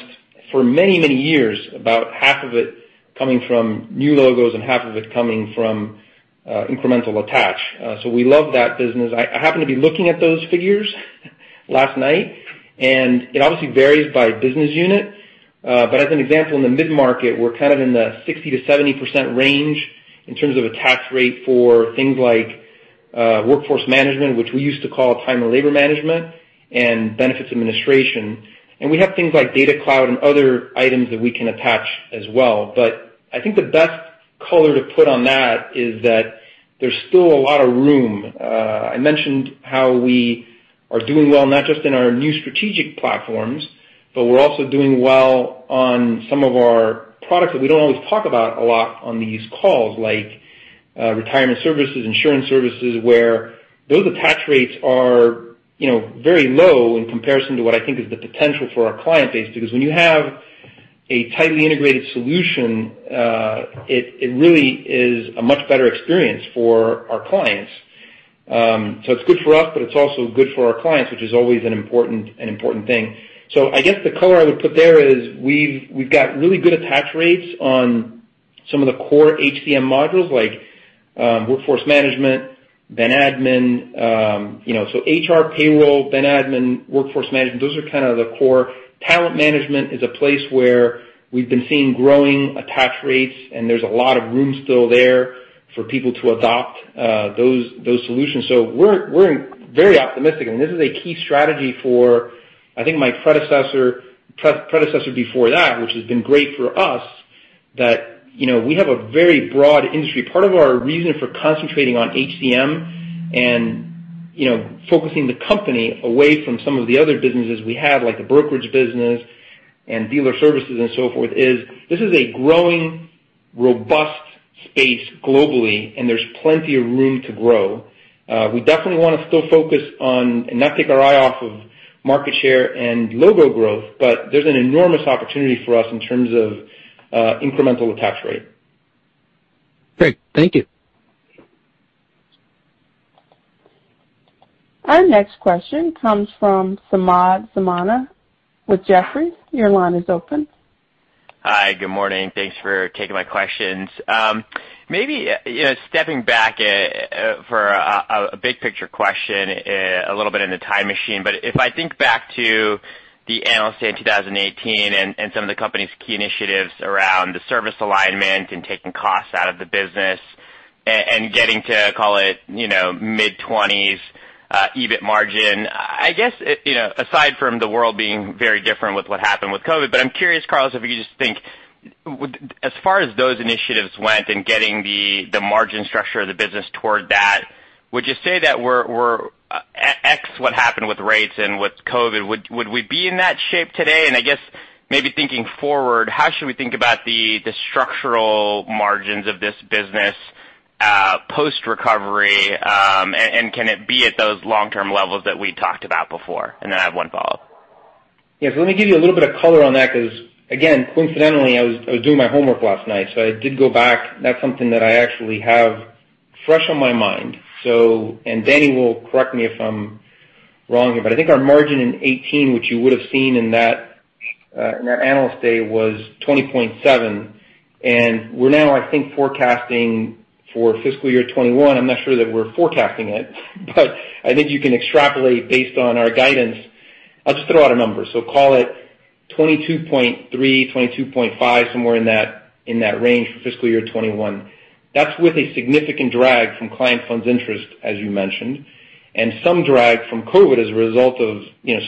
for many years, about half of it coming from new logos and half of it coming from incremental attach. We love that business. I happened to be looking at those figures last night, it obviously varies by business unit. As an example, in the mid-market, we're kind of in the 60%-70% range in terms of attach rate for things like workforce management, which we used to call time and labor management and benefits administration. We have things like DataCloud and other items that we can attach as well. I think the best color to put on that is that there's still a lot of room. I mentioned how we are doing well, not just in our new strategic platforms, but we're also doing well on some of our products that we don't always talk about a lot on these calls, like retirement services, insurance services, where those attach rates are very low in comparison to what I think is the potential for our client base. Because when you have a tightly integrated solution, it really is a much better experience for our clients. It's good for us, but it's also good for our clients, which is always an important thing. I guess the color I would put there is we've got really good attach rates on some of the core HCM modules like workforce management, ben admin. HR, payroll, ben admin, workforce management, those are kind of the core. Talent management is a place where we've been seeing growing attach rates, and there's a lot of room still there for people to adopt those solutions. We're very optimistic, and this is a key strategy for, I think my predecessor before that, which has been great for us, that we have a very broad industry. Part of our reason for concentrating on HCM and focusing the company away from some of the other businesses we have, like the brokerage business and dealer services and so forth, is this is a growing, robust space globally, and there's plenty of room to grow. We definitely want to still focus on and not take our eye off of market share and logo growth, but there's an enormous opportunity for us in terms of incremental attach rate.
Great. Thank you.
Our next question comes from Samad Samana with Jefferies. Your line is open.
Hi, good morning. Thanks for taking my questions. Maybe stepping back for a big picture question, a little bit in the time machine, if I think back to the Analyst Day in 2018 and some of the company's key initiatives around the service alignment and taking costs out of the business and getting to, call it, mid-20%s EBIT margin. I guess, aside from the world being very different with what happened with COVID, I'm curious, Carlos, if you could just think, as far as those initiatives went in getting the margin structure of the business toward that, would you say that we're, excluding what happened with rates and with COVID, would we be in that shape today? I guess maybe thinking forward, how should we think about the structural margins of this business post-recovery, and can it be at those long-term levels that we talked about before? I have one follow-up.
Yes. Let me give you a little bit of color on that, because again, coincidentally, I was doing my homework last night, I did go back. That's something that I actually have fresh on my mind. Danyal will correct me if I'm wrong here, I think our margin in 2018, which you would have seen in that Analyst Day, was 20.7%. We're now, I think, forecasting for fiscal year 2021. I'm not sure that we're forecasting it, I think you can extrapolate based on our guidance. I'll just throw out a number. Call it 22.3%, 22.5%, somewhere in that range for fiscal year 2021. That's with a significant drag from client funds interest, as you mentioned, and some drag from COVID as a result of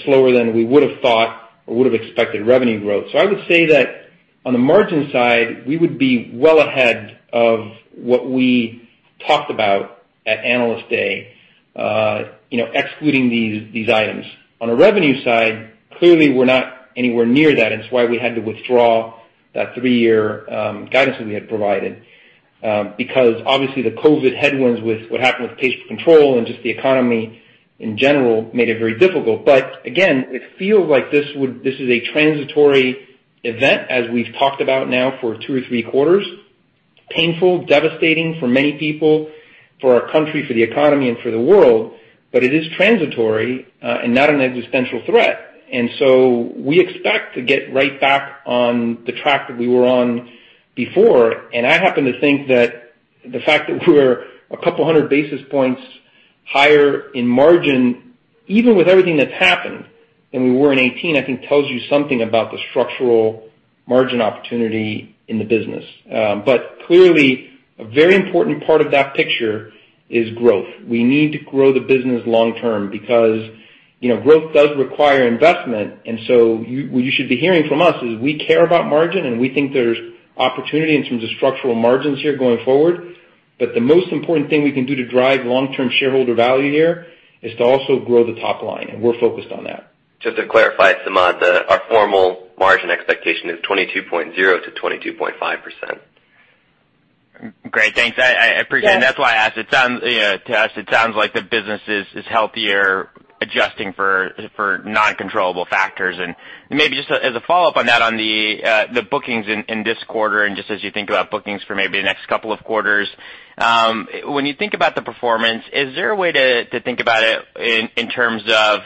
slower than we would have thought or would have expected revenue growth. I would say that on the margin side, we would be well ahead of what we talked about at Analyst Day, excluding these items. On a revenue side, clearly we're not anywhere near that. It's why we had to withdraw that three-year guidance that we had provided. Obviously the COVID headwinds with what happened with pays per control and just the economy in general, made it very difficult. Again, it feels like this is a transitory event as we've talked about now for two or three quarters. Painful, devastating for many people, for our country, for the economy, and for the world, but it is transitory, and not an existential threat. We expect to get right back on the track that we were on before. I happen to think that the fact that we're a couple of hundred basis points higher in margin, even with everything that's happened than we were in 2018, I think tells you something about the structural margin opportunity in the business. Clearly, a very important part of that picture is growth. We need to grow the business long term because growth does require investment. What you should be hearing from us is we care about margin, and we think there's opportunity in terms of structural margins here going forward. The most important thing we can do to drive long-term shareholder value here is to also grow the top line. We're focused on that.
Just to clarify, Samad, our formal margin expectation is 22.0%-22.5%.
Great. Thanks. I appreciate it. That's why I asked. To us, it sounds like the business is healthier, adjusting for non-controllable factors. Maybe just as a follow-up on that, on the bookings in this quarter, and just as you think about bookings for maybe the next couple of quarters, when you think about the performance, is there a way to think about it in terms of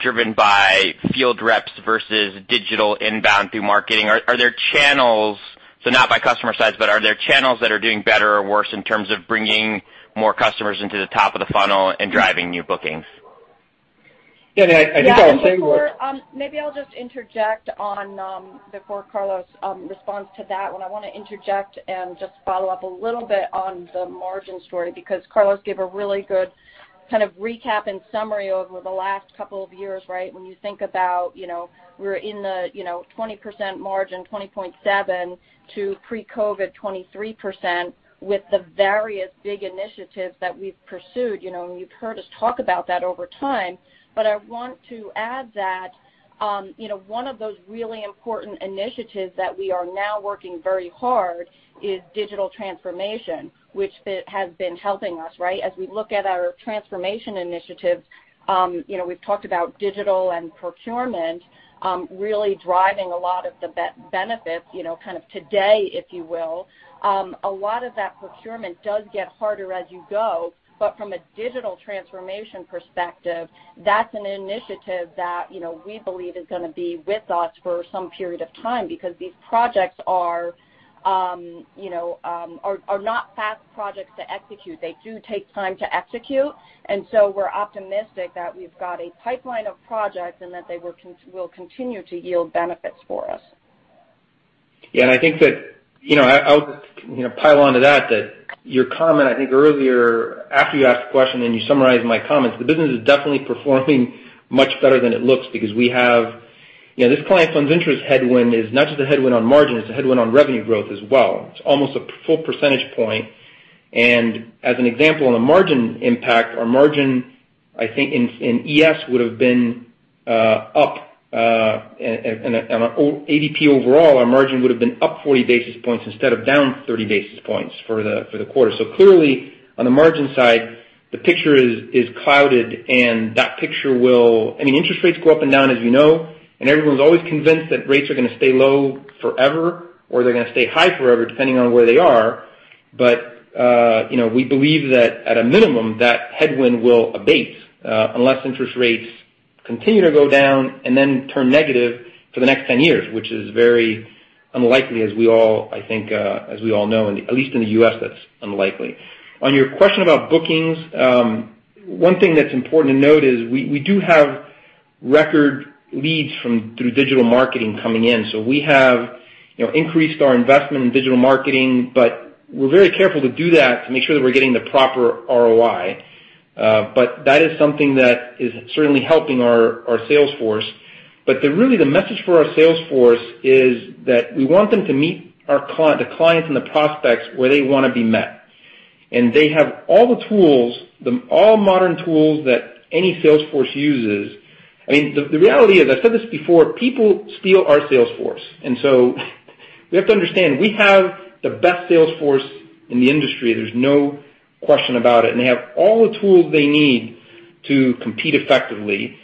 driven by field reps versus digital inbound through marketing? Are there channels, so not by customer size, but are there channels that are doing better or worse in terms of bringing more customers into the top of the funnel and driving new bookings?
Yeah.
Maybe I'll just interject before Carlos responds to that one. I want to interject and just follow up a little bit on the margin story, because Carlos gave a really good kind of recap and summary over the last couple of years. When you think about we're in the 20% margin, 20.7% to pre-COVID 23%, with the various big initiatives that we've pursued. You've heard us talk about that over time. I want to add that one of those really important initiatives that we are now working very hard is digital transformation, which has been helping us. As we look at our transformation initiatives, we've talked about digital and procurement really driving a lot of the benefits kind of today, if you will. A lot of that procurement does get harder as you go. From a digital transformation perspective, that's an initiative that we believe is going to be with us for some period of time because these projects are not fast projects to execute. They do take time to execute. We're optimistic that we've got a pipeline of projects and that they will continue to yield benefits for us.
Yeah. I think that I'll just pile onto that. Your comment, I think earlier, after you asked the question and you summarized my comments, the business is definitely performing much better than it looks because this client funds interest headwind is not just a headwind on margin, it's a headwind on revenue growth as well. It's almost a full percentage point. As an example, on a margin impact, our margin, I think in ES would have been up, and ADP overall, our margin would have been up 40 basis points instead of down 30 basis points for the quarter. Clearly on the margin side, the picture is clouded. I mean, interest rates go up and down, as you know, and everyone's always convinced that rates are going to stay low forever or they're going to stay high forever, depending on where they are. We believe that at a minimum, that headwind will abate. Unless interest rates continue to go down and then turn negative for the next 10 years, which is very unlikely, as we all know, at least in the U.S., that's unlikely. On your question about bookings, one thing that's important to note is we do have record leads through digital marketing coming in. We have increased our investment in digital marketing, but we're very careful to do that to make sure that we're getting the proper ROI. That is something that is certainly helping our sales force. Really the message for our sales force is that we want them to meet the clients and the prospects where they want to be met. They have all the tools, all modern tools that any sales force uses. The reality is, I said this before, people steal our sales force. We have to understand, we have the best sales force in the industry. There's no question about it. They have all the tools they need to compete effectively.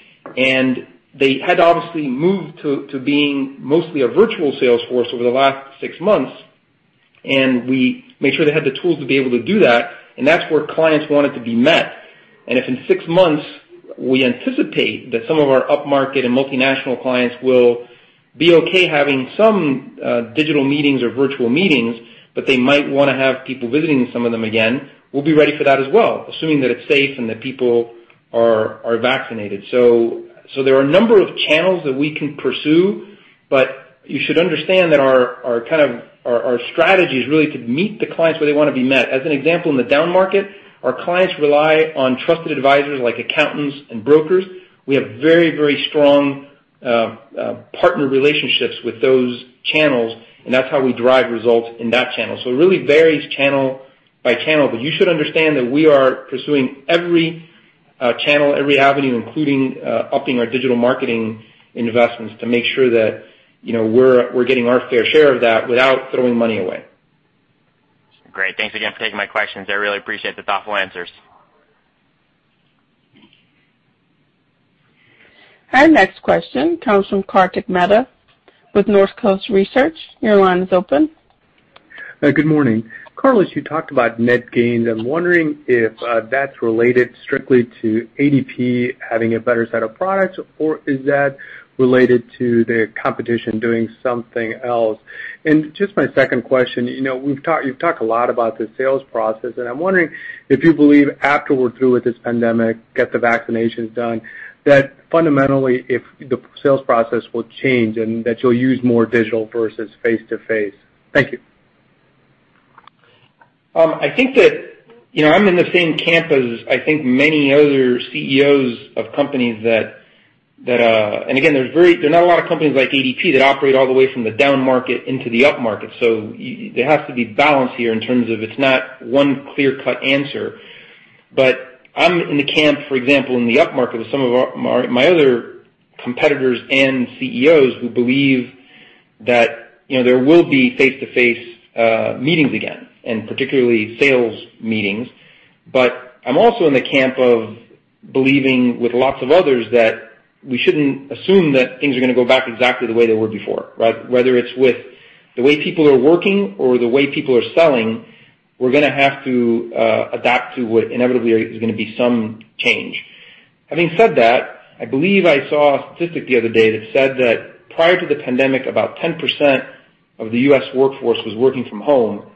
They had obviously moved to being mostly a virtual sales force over the last six months, and we made sure they had the tools to be able to do that, and that's where clients wanted to be met. If in six months, we anticipate that some of our upmarket and multinational clients will be okay having some digital meetings or virtual meetings, but they might want to have people visiting some of them again, we'll be ready for that as well, assuming that it's safe and that people are vaccinated. There are a number of channels that we can pursue, but you should understand that our strategy is really to meet the clients where they want to be met. As an example, in the down market, our clients rely on trusted advisors like accountants and brokers. We have very strong partner relationships with those channels, and that's how we drive results in that channel. It really varies channel by channel. You should understand that we are pursuing every channel, every avenue, including upping our digital marketing investments to make sure that we're getting our fair share of that without throwing money away.
Great. Thanks again for taking my questions. I really appreciate the thoughtful answers.
Our next question comes from Kartik Mehta with Northcoast Research. Your line is open.
Good morning. Carlos, you talked about net gains. I'm wondering if that's related strictly to ADP having a better set of products, or is that related to the competition doing something else? My second question, you've talked a lot about the sales process, and I'm wondering if you believe after we're through with this pandemic, get the vaccinations done, that fundamentally if the sales process will change and that you'll use more digital versus face-to-face. Thank you.
I think that I'm in the same camp as I think many other CEOs of companies that again, there's not a lot of companies like ADP that operate all the way from the down market into the upmarket. There has to be balance here in terms of it's not one clear-cut answer. I'm in the camp, for example, in the upmarket with some of my other competitors and CEOs who believe that there will be face-to-face meetings again, particularly sales meetings. I'm also in the camp of believing with lots of others that we shouldn't assume that things are going to go back exactly the way they were before, right? Whether it's with the way people are working or the way people are selling, we're going to have to adapt to what inevitably is going to be some change. Having said that, I believe I saw a statistic the other day that said that prior to the pandemic, about 10% of the U.S. workforce was working from home,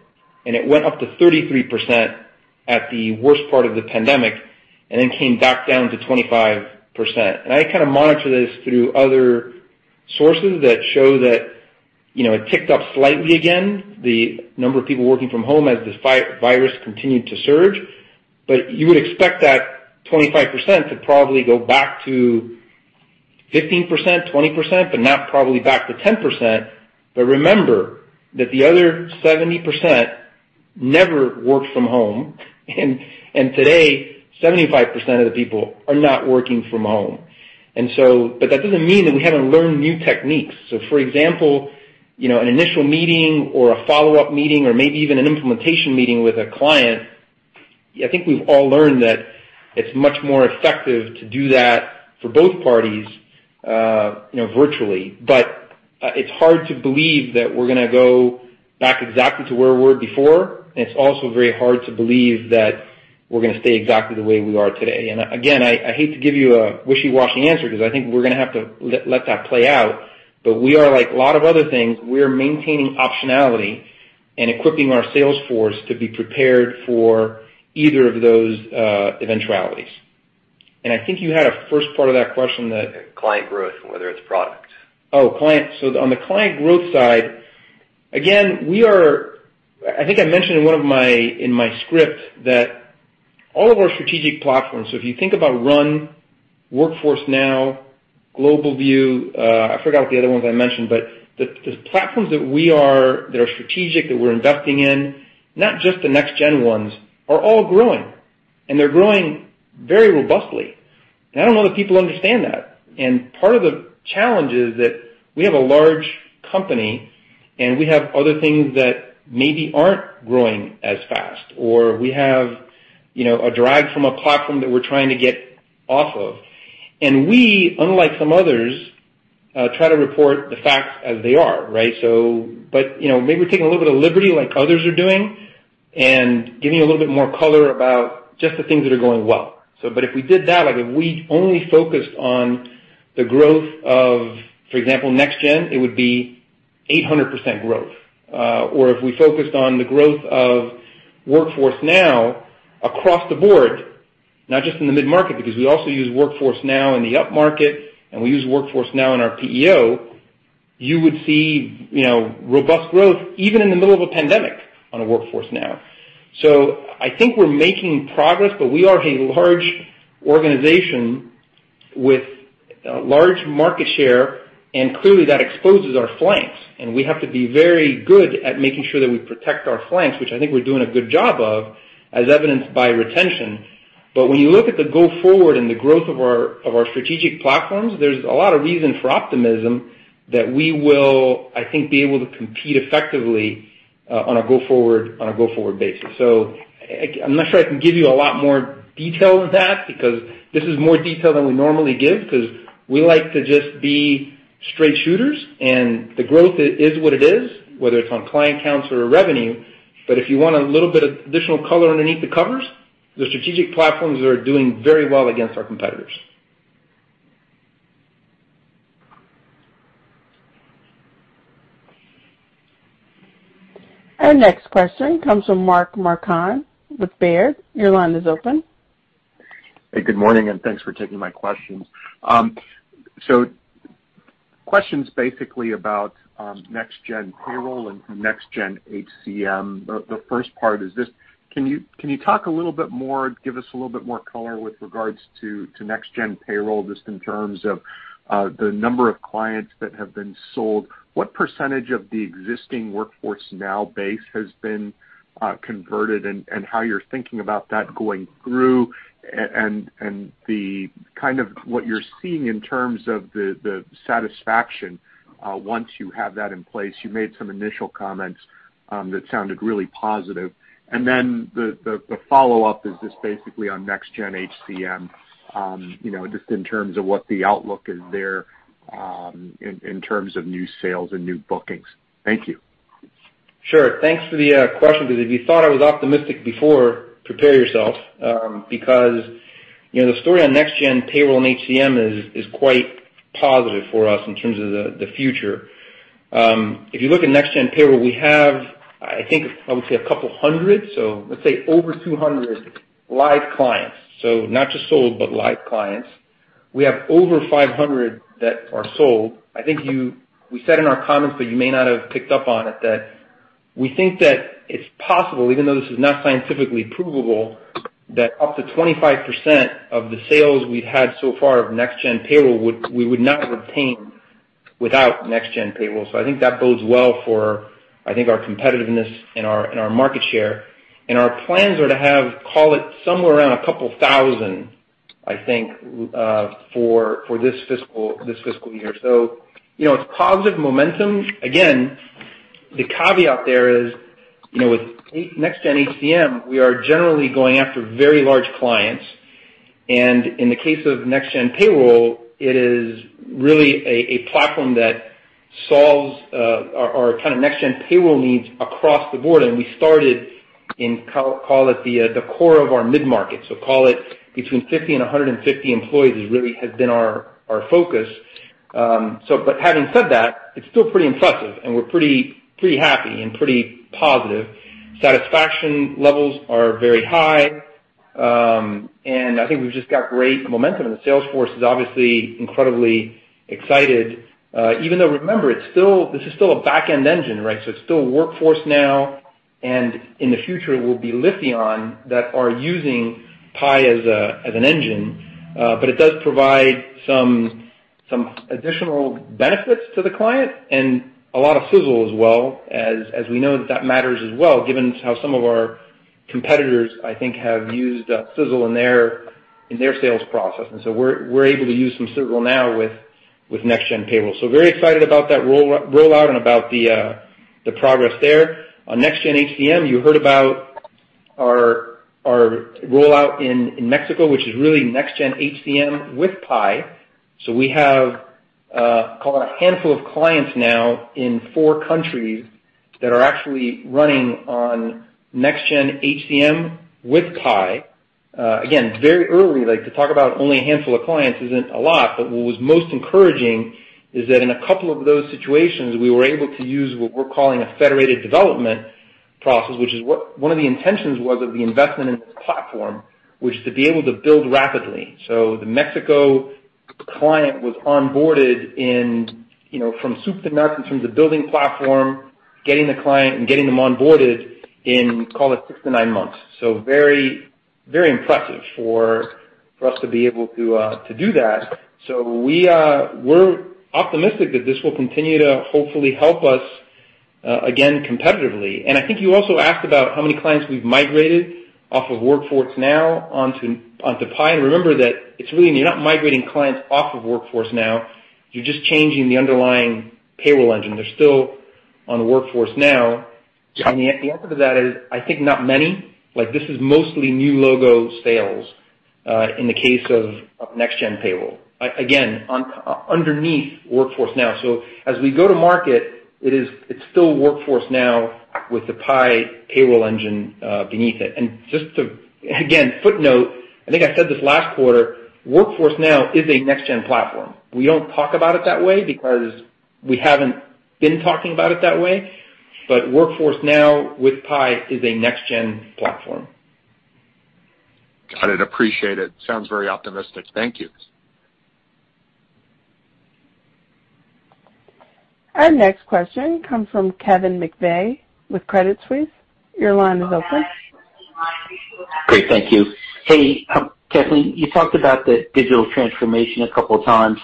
and it went up to 33% at the worst part of the pandemic and then came back down to 25%. I kind of monitor this through other sources that show that it ticked up slightly again, the number of people working from home as this virus continued to surge. You would expect that 25% to probably go back to 15%, 20%, but not probably back to 10%. Remember that the other 70% never worked from home, and today, 75% of the people are not working from home. That doesn't mean that we haven't learned new techniques. For example, an initial meeting or a follow-up meeting or maybe even an implementation meeting with a client, I think we've all learned that it's much more effective to do that for both parties virtually. It's hard to believe that we're going to go back exactly to where we were before, and it's also very hard to believe that we're going to stay exactly the way we are today. Again, I hate to give you a wishy-washy answer because I think we're going to have to let that play out. We are, like a lot of other things, we are maintaining optionality and equipping our sales force to be prepared for either of those eventualities. I think you had a first part of that question.
Client growth and whether it's product.
Oh, client. On the client growth side, again, I think I mentioned in my script that all of our strategic platforms, so if you think about RUN, Workforce Now, GlobalView, I forgot what the other ones I mentioned, but the platforms that are strategic, that we're investing in, not just the next-gen ones, are all growing, and they're growing very robustly. I don't know that people understand that. Part of the challenge is that we have a large company, and we have other things that maybe aren't growing as fast, or we have a drag from a platform that we're trying to get off of. We, unlike some others, try to report the facts as they are, right? Maybe we're taking a little bit of liberty like others are doing and giving a little bit more color about just the things that are going well. If we did that, if we only focused on the growth of, for example, Next Gen, it would be 800% growth. If we focused on the growth of Workforce Now across the board, not just in the mid-market, because we also use Workforce Now in the upmarket and we use Workforce Now in our PEO, you would see robust growth even in the middle of a pandemic on a Workforce Now. I think we're making progress, but we are a large organization with a large market share, and clearly that exposes our flanks, and we have to be very good at making sure that we protect our flanks, which I think we're doing a good job of, as evidenced by retention. When you look at the go forward and the growth of our strategic platforms, there's a lot of reason for optimism that we will, I think, be able to compete effectively on a go-forward basis. I'm not sure I can give you a lot more detail than that, because this is more detail than we normally give, because we like to just be straight shooters, and the growth is what it is, whether it's on client counts or revenue. If you want a little bit of additional color underneath the covers, the strategic platforms are doing very well against our competitors.
Our next question comes from Mark Marcon with Baird. Your line is open.
Good morning. Thanks for taking my questions. Question's basically about Next Gen Payroll and Next Gen HCM. The first part is this, can you talk a little bit more, give us a little bit more color with regards to Next Gen Payroll, just in terms of the number of clients that have been sold, what percentage of the existing Workforce Now base has been converted, and how you're thinking about that going through, and what you're seeing in terms of the satisfaction once you have that in place? You made some initial comments that sounded really positive. The follow-up is just basically on Next Gen HCM, just in terms of what the outlook is there in terms of new sales and new bookings. Thank you.
Sure. Thanks for the question. If you thought I was optimistic before, prepare yourself, because the story on NextGen Payroll and HCM is quite positive for us in terms of the future. If you look at NextGen Payroll, we have, I think, I would say a couple hundred, so let's say over 200 live clients. Not just sold, but live clients. We have over 500 that are sold. I think we said in our comments, but you may not have picked up on it, that we think that it's possible, even though this is not scientifically provable, that up to 25% of the sales we've had so far of NextGen Payroll, we would not have obtained without NextGen Payroll. I think that bodes well for, I think, our competitiveness and our market share. Our plans are to have, call it somewhere around 2,000, I think, for this fiscal year. It's positive momentum. Again, the caveat there is, with Next Gen HCM, we are generally going after very large clients, and in the case of Next Gen Payroll, it is really a platform that solves our kind of Next Gen Payroll needs across the board, and we started in, call it the core of our mid-market. Call it between 50 and 150 employees really has been our focus. Having said that, it's still pretty impressive, and we're pretty happy and pretty positive. Satisfaction levels are very high. I think we've just got great momentum, and the sales force is obviously incredibly excited. Even though, remember, this is still a back-end engine, right? It's still Workforce Now, and in the future, it will be Lifion that are using Pi as an engine. It does provide some additional benefits to the client and a lot of sizzle as well, as we know that matters as well, given how some of our competitors, I think, have used sizzle in their sales process. We're able to use some sizzle now with Next Gen Payroll. Very excited about that rollout and about the progress there. On Next Gen HCM, you heard about our rollout in Mexico, which is really Next Gen HCM with Pi. We have, call it a handful of clients now in four countries that are actually running on Next Gen HCM with Pi. Again, very early, to talk about only a handful of clients isn't a lot, but what was most encouraging is that in a couple of those situations, we were able to use what we're calling a federated development process, which is one of the intentions was of the investment in this platform, which is to be able to build rapidly. The Mexico client was onboarded from soup to nuts, in terms of building platform, getting the client, and getting them onboarded in, call it six to nine months. Very impressive for us to be able to do that. We're optimistic that this will continue to hopefully help us, again, competitively. I think you also asked about how many clients we've migrated off of Workforce Now onto Pi. Remember that it's really, you're not migrating clients off of Workforce Now, you're just changing the underlying payroll engine. They're still on the Workforce Now.
Got it.
The answer to that is, I think not many. This is mostly new logo sales, in the case of Next Gen Payroll, again, underneath Workforce Now. As we go to market, it's still Workforce Now with the Pi payroll engine beneath it. Just to, again, footnote, I think I said this last quarter, Workforce Now is a Next Gen platform. We don't talk about it that way because we haven't been talking about it that way. Workforce Now with Pi is a Next Gen platform.
Got it. Appreciate it. Sounds very optimistic. Thank you.
Our next question comes from Kevin McVeigh with Credit Suisse. Your line is open.
Great. Thank you. Hey, Kathleen, you talked about the digital transformation a couple times.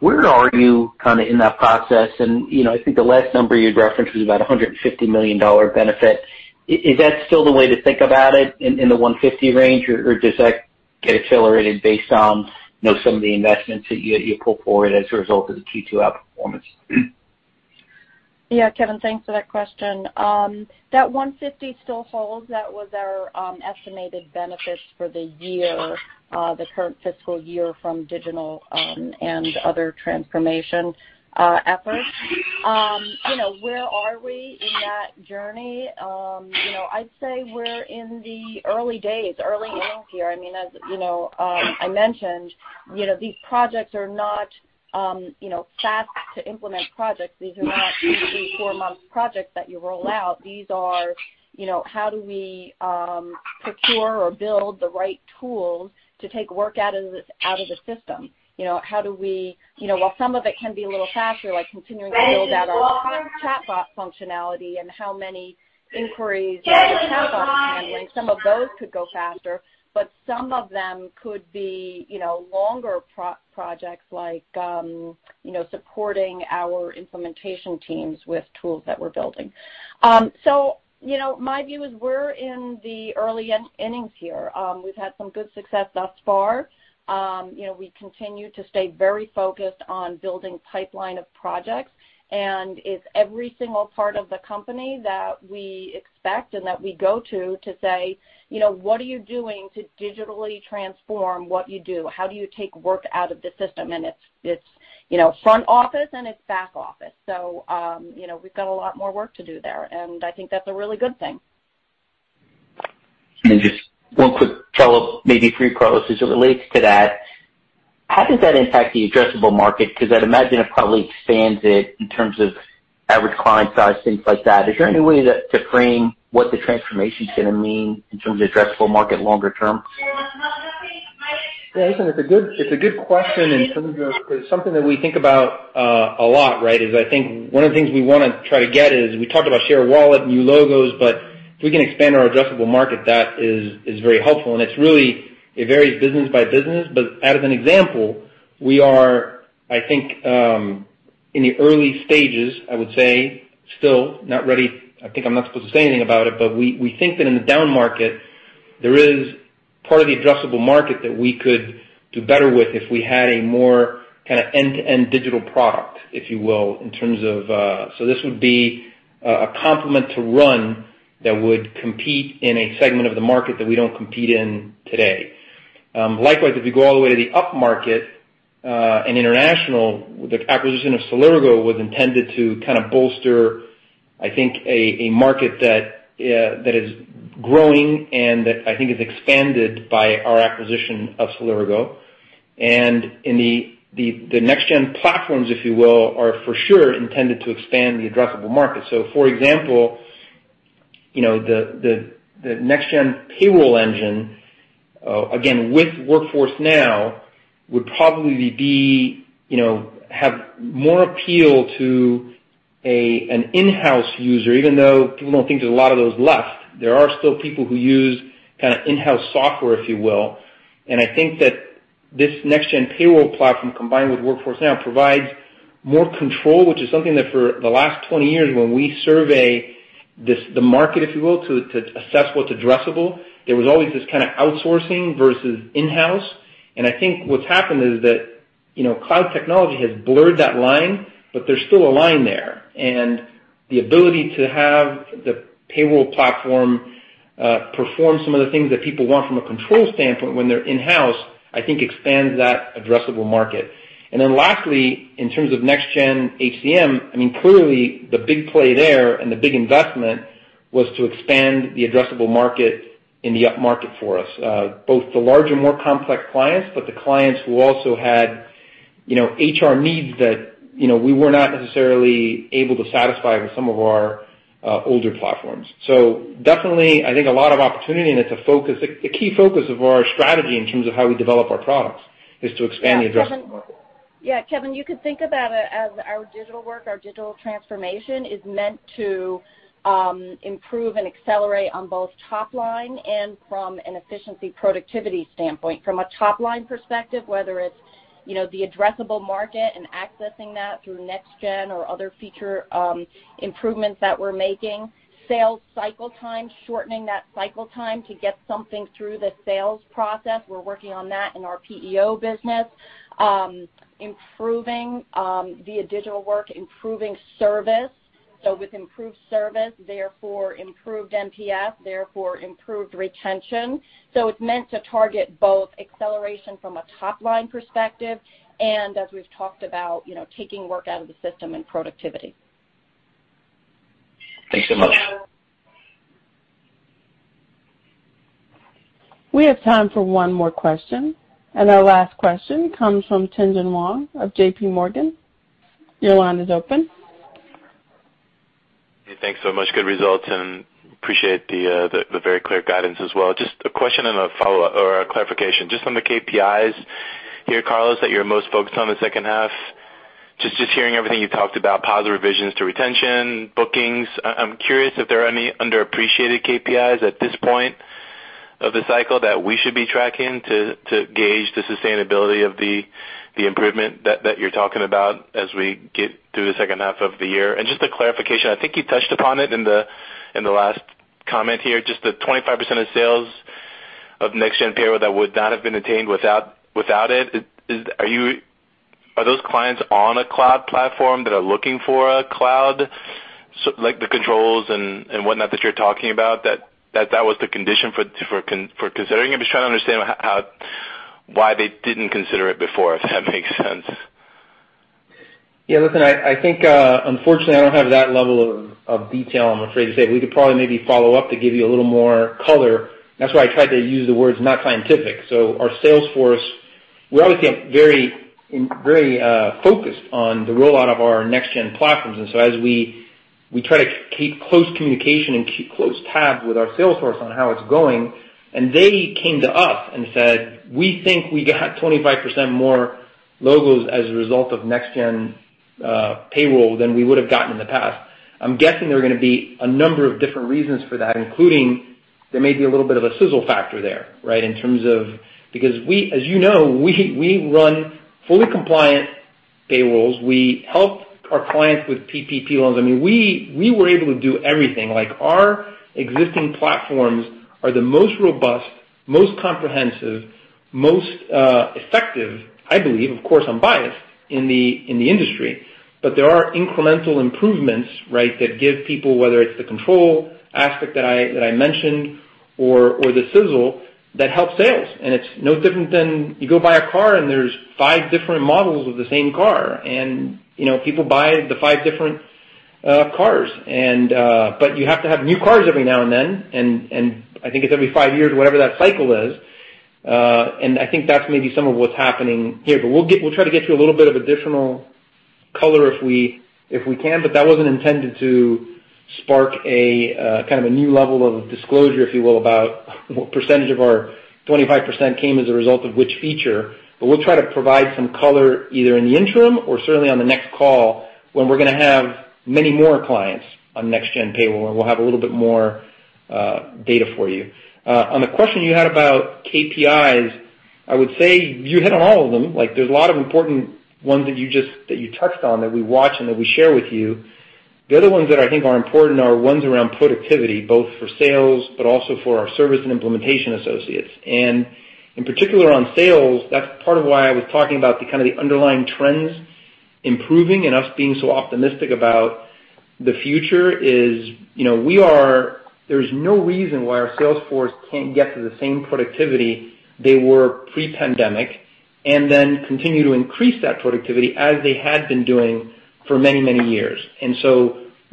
Where are you in that process? I think the last number you had referenced was about $150 million benefit. Is that still the way to think about it in the 150 range, or does that get accelerated based on some of the investments that you pull forward as a result of the Q2 outperformance?
Kevin, thanks for that question. That $150 million still holds. That was our estimated benefits for the year, the current fiscal year from digital and other transformation efforts. Where are we in that journey? I'd say we're in the early days, early innings here. I mentioned these projects are not fast-to-implement projects. These are not two to four-month projects that you roll out. These are how do we procure or build the right tools to take work out of the system. While some of it can be a little faster, like continuing to build out our chatbot functionality and how many inquiries the chatbots are handling. Some of those could go faster. Some of them could be longer projects like supporting our implementation teams with tools that we're building. My view is we're in the early innings here. We've had some good success thus far. We continue to stay very focused on building pipeline of projects, and it's every single part of the company that we expect and that we go to say, "What are you doing to digitally transform what you do? How do you take work out of the system?" It's front office and it's back office. We've got a lot more work to do there, and I think that's a really good thing.
Just one quick follow-up, maybe for you, Carlos, as it relates to that. How does that impact the addressable market? I'd imagine it probably expands it in terms of average client size, things like that. Is there any way to frame what the transformation's going to mean in terms of addressable market longer term?
Yeah, listen, it's a good question, and something that we think about a lot. I think one of the things we want to try to get is, we talked about share of wallet, new logos, but if we can expand our addressable market, that is very helpful, and it varies business by business. As an example, we are, I think, in the early stages, I would say. Still not ready. I think I'm not supposed to say anything about it, but we think that in the down market, there is part of the addressable market that we could do better with if we had a more end-to-end digital product, if you will. This would be a complement to RUN that would compete in a segment of the market that we don't compete in today. Likewise, if you go all the way to the upmarket, and international, the acquisition of Celergo was intended to bolster, I think, a market that is growing and that I think is expanded by our acquisition of Celergo. In the next-gen platforms, if you will, are for sure intended to expand the addressable market. For example, the Next Gen Payroll engine, again, with Workforce Now, would probably have more appeal to an in-house user, even though people don't think there's a lot of those left. There are still people who use in-house software, if you will. I think that this Next Gen Payroll platform, combined with Workforce Now, provides more control. Which is something that for the last 20 years, when we survey the market, if you will, to assess what's addressable, there was always this outsourcing versus in-house. I think what's happened is that cloud technology has blurred that line, but there's still a line there. The ability to have the payroll platform perform some of the things that people want from a control standpoint when they're in-house, I think expands that addressable market. Lastly, in terms of Next Gen HCM, clearly the big play there and the big investment was to expand the addressable market in the upmarket for us. Both the larger, more complex clients, but the clients who also had HR needs that we were not necessarily able to satisfy with some of our older platforms. Definitely, I think a lot of opportunity, and it's a key focus of our strategy in terms of how we develop our products, is to expand the addressable market.
Kevin, you could think about it as our digital work. Our digital transformation is meant to improve and accelerate on both top line and from an efficiency productivity standpoint. From a top-line perspective, whether it's the addressable market and accessing that through Next Gen or other feature improvements that we're making. Sales cycle time, shortening that cycle time to get something through the sales process. We're working on that in our PEO business. Via digital work, improving service. With improved service, therefore improved NPS, therefore improved retention. It's meant to target both acceleration from a top-line perspective and, as we've talked about, taking work out of the system and productivity.
Thanks so much.
We have time for one more question, and our last question comes from Tien-Tsin Huang of JPMorgan. Your line is open.
Thanks so much. Good results, appreciate the very clear guidance as well. Just a question and a follow-up, or a clarification. Just on the KPIs here, Carlos, that you're most focused on the second half. Just hearing everything you talked about, positive revisions to retention, bookings. I'm curious if there are any underappreciated KPIs at this point of the cycle that we should be tracking to gauge the sustainability of the improvement that you're talking about as we get through the second half of the year? Just a clarification, I think you touched upon it in the last comment here, just the 25% of sales of Next Gen Payroll that would not have been attained without it. Are those clients on a cloud platform that are looking for a cloud, like the controls and whatnot that you're talking about, that was the condition for considering it? I'm just trying to understand why they didn't consider it before, if that makes sense.
Yeah, listen, I think, unfortunately, I don't have that level of detail, I'm afraid to say. We could probably maybe follow up to give you a little more color. That's why I tried to use the words not scientific. Our sales force, we always get very focused on the rollout of our NextGen platforms. As we try to keep close communication and keep close tabs with our sales force on how it's going, they came to us and said, "We think we got 25% more logos as a result of NextGen Payroll than we would have gotten in the past." I'm guessing there are going to be a number of different reasons for that, including there may be a little bit of a sizzle factor there, right? In terms of, because we, as you know, we run fully compliant payrolls. We help our clients with PPP loans. I mean, we were able to do everything. Like, our existing platforms are the most robust, most comprehensive, most effective, I believe, of course, I'm biased, in the industry. There are incremental improvements, right, that give people, whether it's the control aspect that I mentioned or the sizzle, that helps sales. It's no different than you go buy a car and there's five different models of the same car, and people buy the five different cars. You have to have new cars every now and then, and I think it's every five years, whatever that cycle is. I think that's maybe some of what's happening here. We'll try to get you a little bit of additional color if we can. That wasn't intended to spark a kind of a new level of disclosure, if you will, about what percentage of our 25% came as a result of which feature. We'll try to provide some color either in the interim or certainly on the next call, when we're going to have many more clients on NextGen Payroll, and we'll have a little bit more data for you. On the question you had about KPIs, I would say you hit on all of them. There's a lot of important ones that you touched on that we watch and that we share with you. The other ones that I think are important are ones around productivity, both for sales, but also for our service and implementation associates. In particular on sales, that's part of why I was talking about the kind of the underlying trends improving and us being so optimistic about the future is there's no reason why our sales force can't get to the same productivity they were pre-pandemic and then continue to increase that productivity as they had been doing for many, many years.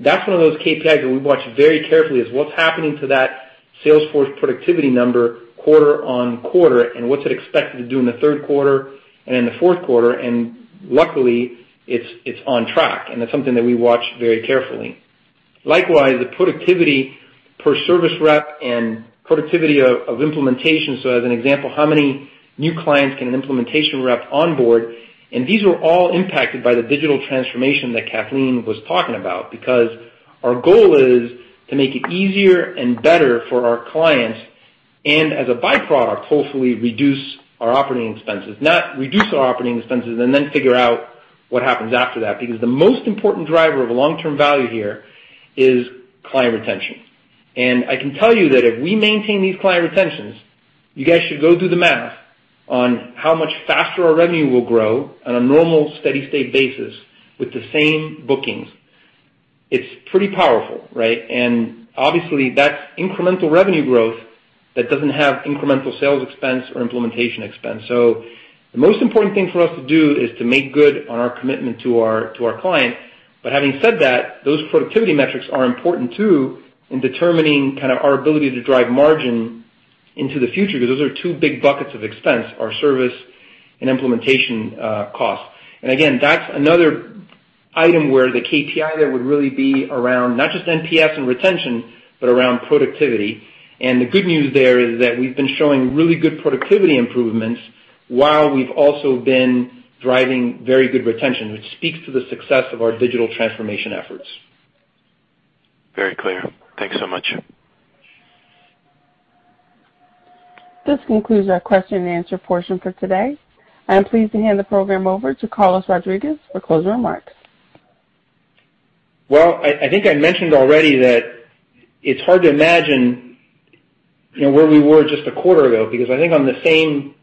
That's one of those KPIs that we watch very carefully, is what's happening to that sales force productivity number quarter on quarter, and what's it expected to do in the third quarter and in the fourth quarter. Luckily, it's on track, and that's something that we watch very carefully. Likewise, the productivity per service rep and productivity of implementation. As an example, how many new clients can an implementation rep onboard? These were all impacted by the digital transformation that Kathleen was talking about, because our goal is to make it easier and better for our clients, and as a byproduct, hopefully reduce our operating expenses, not, reduce our operating expenses and then figure out what happens after that. The most important driver of long-term value here is client retention. I can tell you that if we maintain these client retentions, you guys should go do the math on how much faster our revenue will grow on a normal steady state basis with the same bookings. It's pretty powerful, right? Obviously, that's incremental revenue growth that doesn't have incremental sales expense or implementation expense. The most important thing for us to do is to make good on our commitment to our client. Having said that, those productivity metrics are important, too, in determining our ability to drive margin into the future, because those are two big buckets of expense, our service and implementation costs. Again, that's another item where the KPI there would really be around not just NPS and retention, but around productivity. The good news there is that we've been showing really good productivity improvements while we've also been driving very good retention, which speaks to the success of our digital transformation efforts.
Very clear. Thanks so much.
This concludes our question and answer portion for today. I am pleased to hand the program over to Carlos Rodriguez for closing remarks.
I think I mentioned already that it's hard to imagine where we were just a quarter ago, because I think on the same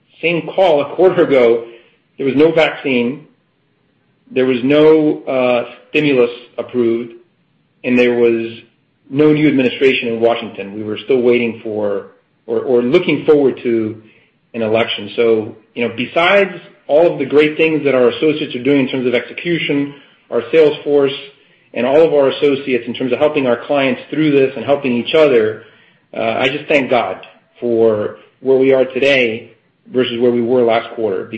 call a quarter ago, there was no vaccine, there was no stimulus approved, and there was no new administration in Washington. We were still waiting for or looking forward to an election. Besides all of the great things that our associates are doing in terms of execution, our sales force and all of our associates in terms of helping our clients through this and helping each other, I just thank God for where we are today versus where we were last quarter.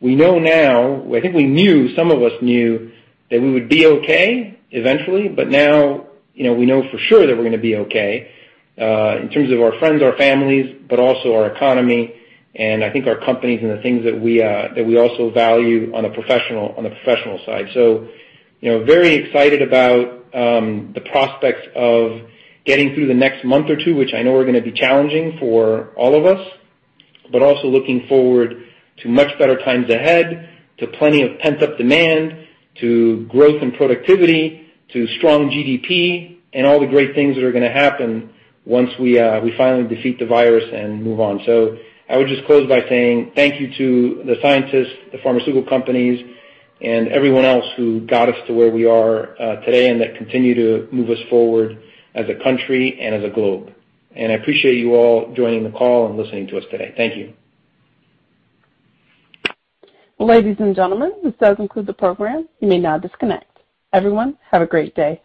We know now, I think we knew, some of us knew that we would be okay eventually, but now we know for sure that we're going to be okay. In terms of our friends, our families, but also our economy and I think our companies and the things that we also value on a professional side. Very excited about the prospects of getting through the next month or two, which I know are going to be challenging for all of us, but also looking forward to much better times ahead, to plenty of pent-up demand, to growth and productivity, to strong GDP, and all the great things that are going to happen once we finally defeat the virus and move on. I would just close by saying thank you to the scientists, the pharmaceutical companies, and everyone else who got us to where we are today and that continue to move us forward as a country and as a globe. I appreciate you all joining the call and listening to us today. Thank you.
Ladies and gentlemen, this does conclude the program. You may now disconnect. Everyone, have a great day.